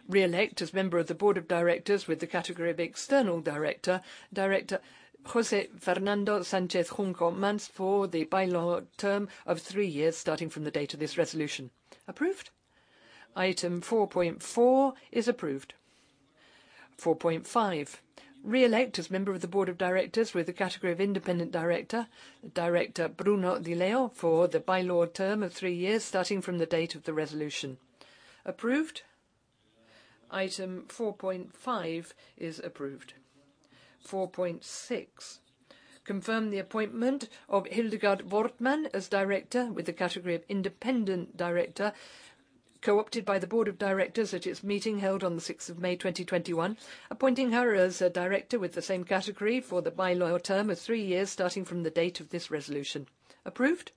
Re-elect as member of the Board of Directors with the category of external director, Director José Fernando Sánchez-Junco Mans for the bylaw term of three years starting from the date of this resolution. Approved? Item 4.4 is approved. 4.5: Reelect as member of the Board of Directors with the category of independent director, Director Bruno Di Leo for the bylaw term of three years starting from the date of the resolution. Approved? Item 4.5 is approved. 4.6: Confirm the appointment of Hildegard Wortmann as director with the category of independent director co-opted by the Board of Directors at its meeting held on the May 6th, 2021, appointing her as a director with the same category for the bylaw term of three years starting from the date of this resolution. Approved?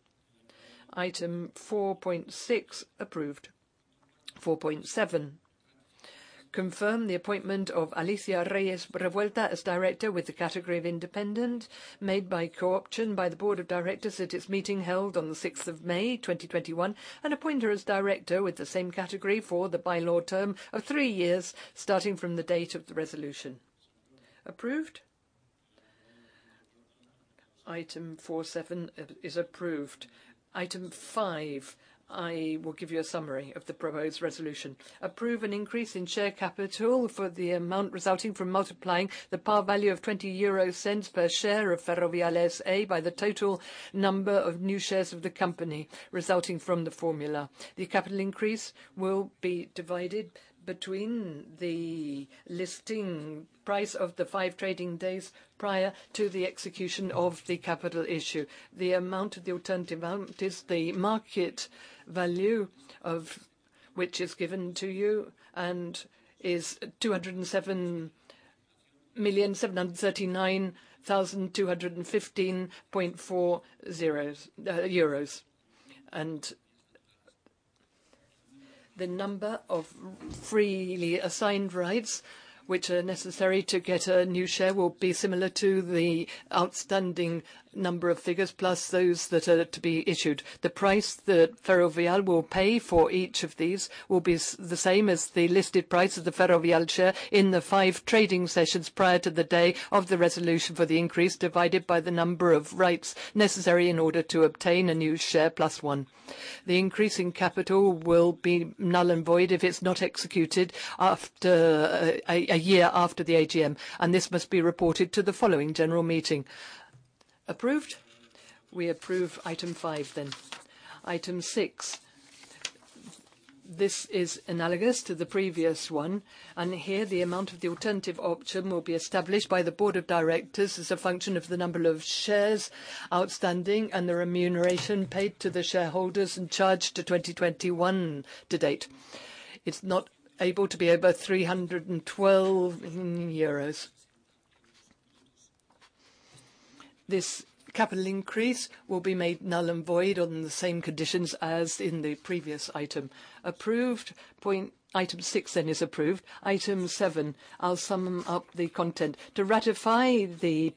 Item 4.6, approved. Item 4.7: confirm the appointment of Alicia Reyes Revuelta as director with the category of independent made by co-option by the Board of Directors at its meeting held on the May 6th, 2021, and appoint her as director with the same category for the bylaw term of three years starting from the date of the resolution. Approved? Item 4.7 is approved. Item 5, I will give you a summary of the proposed resolution. Approve an increase in share capital for the amount resulting from multiplying the par value of 0.20 per share of Ferrovial, S.A. by the total number of new shares of the company resulting from the formula. The capital increase will be divided between the listing price of the 5 trading days prior to the execution of the capital issue. The amount of the alternative amount is the market value of which is given to you and is 207,739,215.40 euros. The number of freely assigned rights which are necessary to get a new share will be similar to the outstanding number of shares plus those that are to be issued. The price that Ferrovial will pay for each of these will be the same as the listed price of the Ferrovial share in the five trading sessions prior to the day of the resolution for the increase, divided by the number of rights necessary in order to obtain a new share plus one. The increase in capital will be null and void if it's not executed after a year after the AGM, and this must be reported to the following general meeting. Approved? We approve item five then. Item six, this is analogous to the previous one, and here the amount of the alternative option will be established by the board of directors as a function of the number of shares outstanding and the remuneration paid to the shareholders and charged to 2021 to date. It's not able to be over 312 euros. This capital increase will be made null and void on the same conditions as in the previous item. Approved. Item six then is approved. Item seven, I'll sum up the content. To ratify the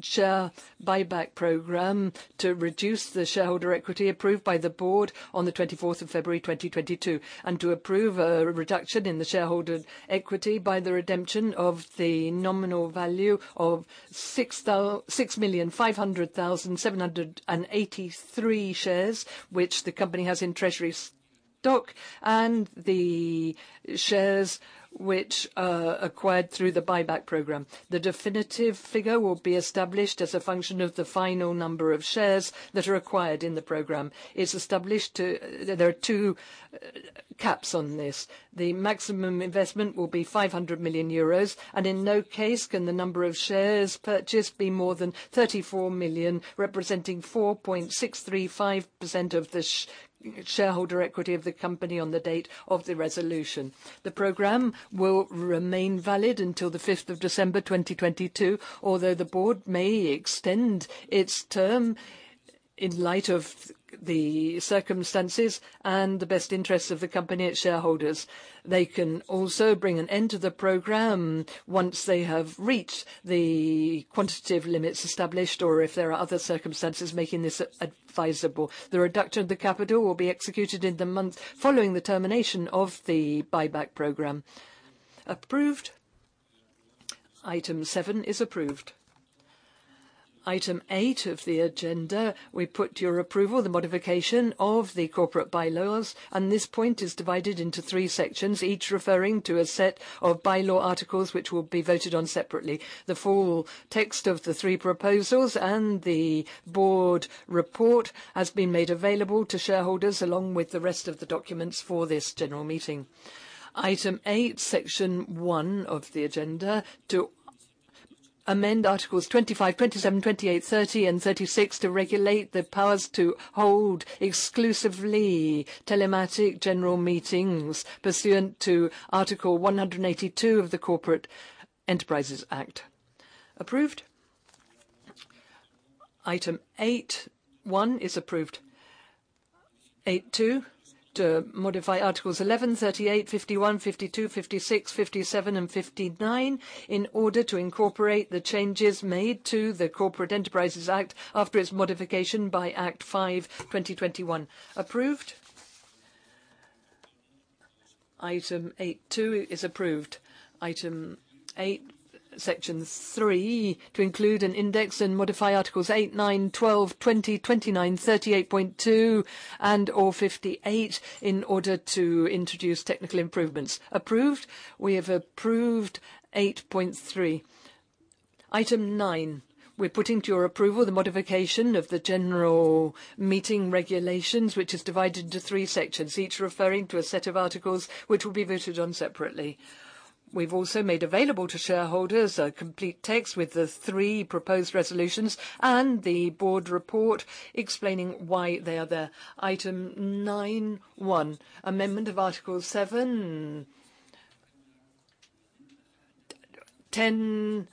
share buyback program, to reduce the share capital approved by the board on the February 24th 2022, and to approve a reduction in the share capital by the redemption of the nominal value of 6,500,783 shares, which the company has in treasury stock, and the shares which are acquired through the buyback program. The definitive figure will be established as a function of the final number of shares that are acquired in the program. It's established to. There are two caps on this. The maximum investment will be 500 million euros, and in no case can the number of shares purchased be more than 34 million, representing 4.635% of the share capital of the company on the date of the resolution. The program will remain valid until the December 5th, 2022, although the board may extend its term in light of the circumstances and the best interests of the company and shareholders. They can also bring an end to the program once they have reached the quantitative limits established, or if there are other circumstances making this advisable. The reduction of the capital will be executed in the month following the termination of the buyback program. Approved? Item seven is approved. Item eight of the agenda, we put to your approval the modification of the Corporate Bylaws, and this point is divided into three sections, each referring to a set of bylaw articles which will be voted on separately. The full text of the three proposals and the board report has been made available to shareholders along with the rest of the documents for this general meeting. Item 8, Section One of the agenda: to amend Articles 25, 27, 28, 30, and 36 to regulate the powers to hold exclusively telematic general meetings pursuant to Article 182 of the Corporate Enterprises Act. Approved? Item 8.1 is approved. 8.2, to modify Articles 11, 38, 51, 52, 56, 57, and 59 in order to incorporate the changes made to the Corporate Enterprises Act after its modification by Law 5/2021. Approved? Item 8.2 is approved. Item 8, Section Three, to include an index and modify Articles 8, 9, 12, 20, 29, 38.2, and/or 58 in order to introduce technical improvements. Approved? We have approved 8.3. Item 9, we're putting to your approval the modification of the general meeting regulations, which is divided into three sections, each referring to a set of articles which will be voted on separately. We've also made available to shareholders a complete text with the three proposed resolutions and the board report explaining why they are there. Item 9.1, amendment of Article 7, 10,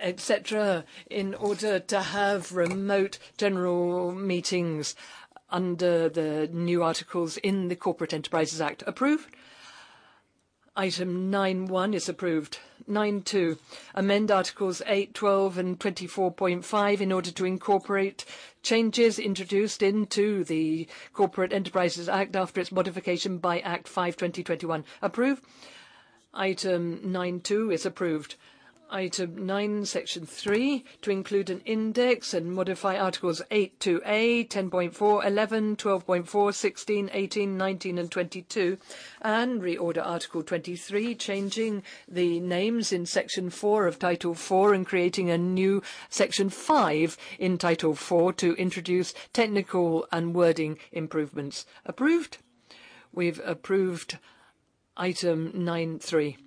et cetera, in order to have remote general meetings under the new articles in the Corporate Enterprises Act. Approved? Item 9.1 is approved. 9.2, amend Articles 8, 12, and 24.5 in order to incorporate changes introduced into the Corporate Enterprises Act after its modification by Law 5/2021. Approved? Item 9.2 is approved. Item 9, Section Three, to include an index and modify Articles 8 to A, 10.4, 11, 12.4, 16, 18, 19, and 22, and reorder Article 23, changing the names in Section Four of Title Four and creating a new Section Five in Title Four to introduce technical and wording improvements. Approved? We've approved Item 9.3.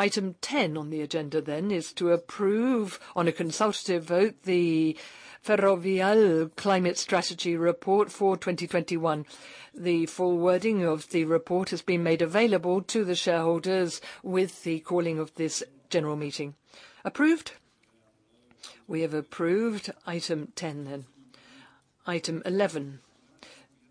Item 10 on the agenda is to approve on a consultative vote the Ferrovial Climate Strategy Report for 2021. The full wording of the report has been made available to the shareholders with the calling of this general meeting. Approved? We have approved Item 10. Item 11,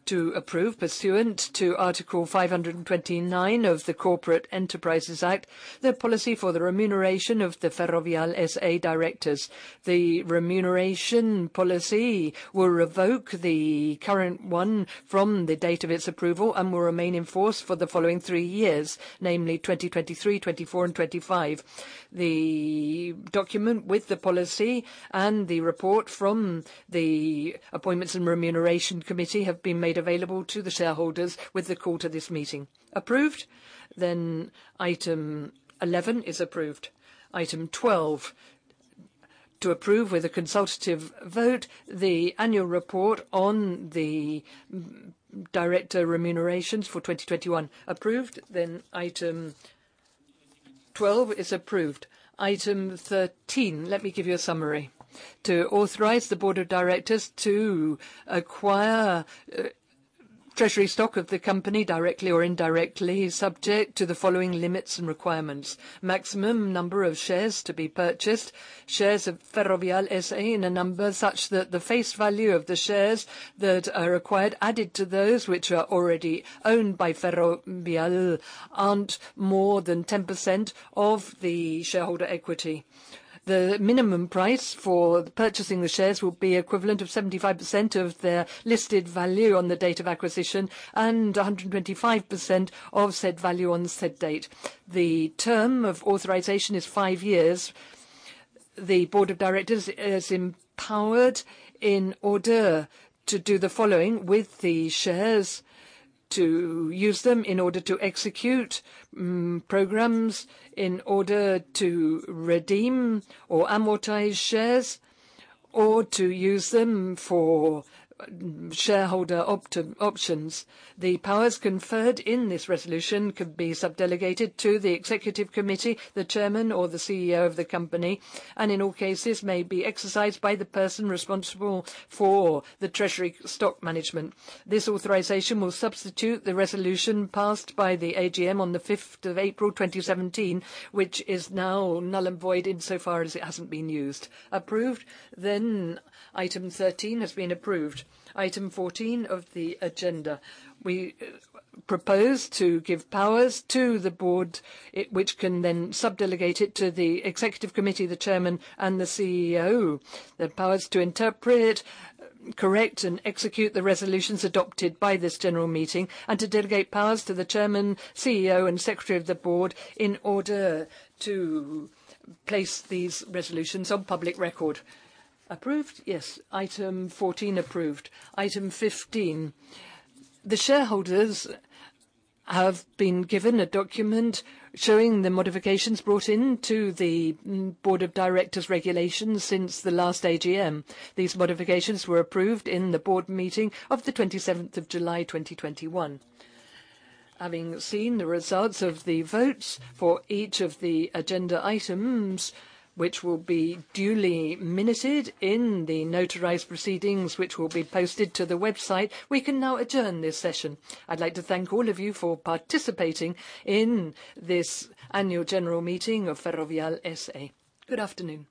to approve pursuant to Article 529 of the Corporate Enterprises Act, the policy for the remuneration of the Ferrovial, S.A. directors. The remuneration policy will revoke the current one from the date of its approval and will remain in force for the following three years, namely 2023, 2024, and 2025. The document with the policy and the report from the appointments and remuneration committee have been made available to the shareholders with the call to this meeting. Approved? Item 11 is approved. Item 12, to approve with a consultative vote the annual report on the director remunerations for 2021. Approved? Then Item 12 is approved. Item 13, let me give you a summary. To authorize the Board of Directors to acquire treasury stock of the company directly or indirectly, subject to the following limits and requirements. Maximum number of shares to be purchased. Shares of Ferrovial SA in a number such that the face value of the shares that are acquired added to those which are already owned by Ferrovial aren't more than 10% of the shareholder equity. The minimum price for purchasing the shares will be equivalent of 75% of their listed value on the date of acquisition and 125% of said value on the said date. The term of authorization is five years. The Board of Directors is empowered in order to do the following with the shares, to use them in order to execute programs, in order to redeem or amortize shares, or to use them for shareholder options. The powers conferred in this resolution could be sub-delegated to the Executive Committee, the Chairman, or the CEO of the company, and in all cases may be exercised by the person responsible for the Treasury Stock Management. This authorization will substitute the resolution passed by the AGM on the April 5th, 2017, which is now null and void insofar as it hasn't been used. Approved? Item 13 has been approved. Item 14 of the agenda, we propose to give powers to the Board, which can then sub-delegate it to the Executive Committee, the Chairman, and the CEO. The powers to interpret, correct, and execute the resolutions adopted by this general meeting, and to delegate powers to the Chairman, CEO, and Secretary of the Board in order to place these resolutions on public record. Approved? Yes. Item 14 approved. Item 15, the shareholders have been given a document showing the modifications brought into the board of directors regulations since the last AGM. These modifications were approved in the board meeting of the July 27th 2021. Having seen the results of the votes for each of the agenda items, which will be duly minuted in the notarized proceedings, which will be posted to the website, we can now adjourn this session. I'd like to thank all of you for participating in this annual general meeting of Ferrovial SA. Good afternoon.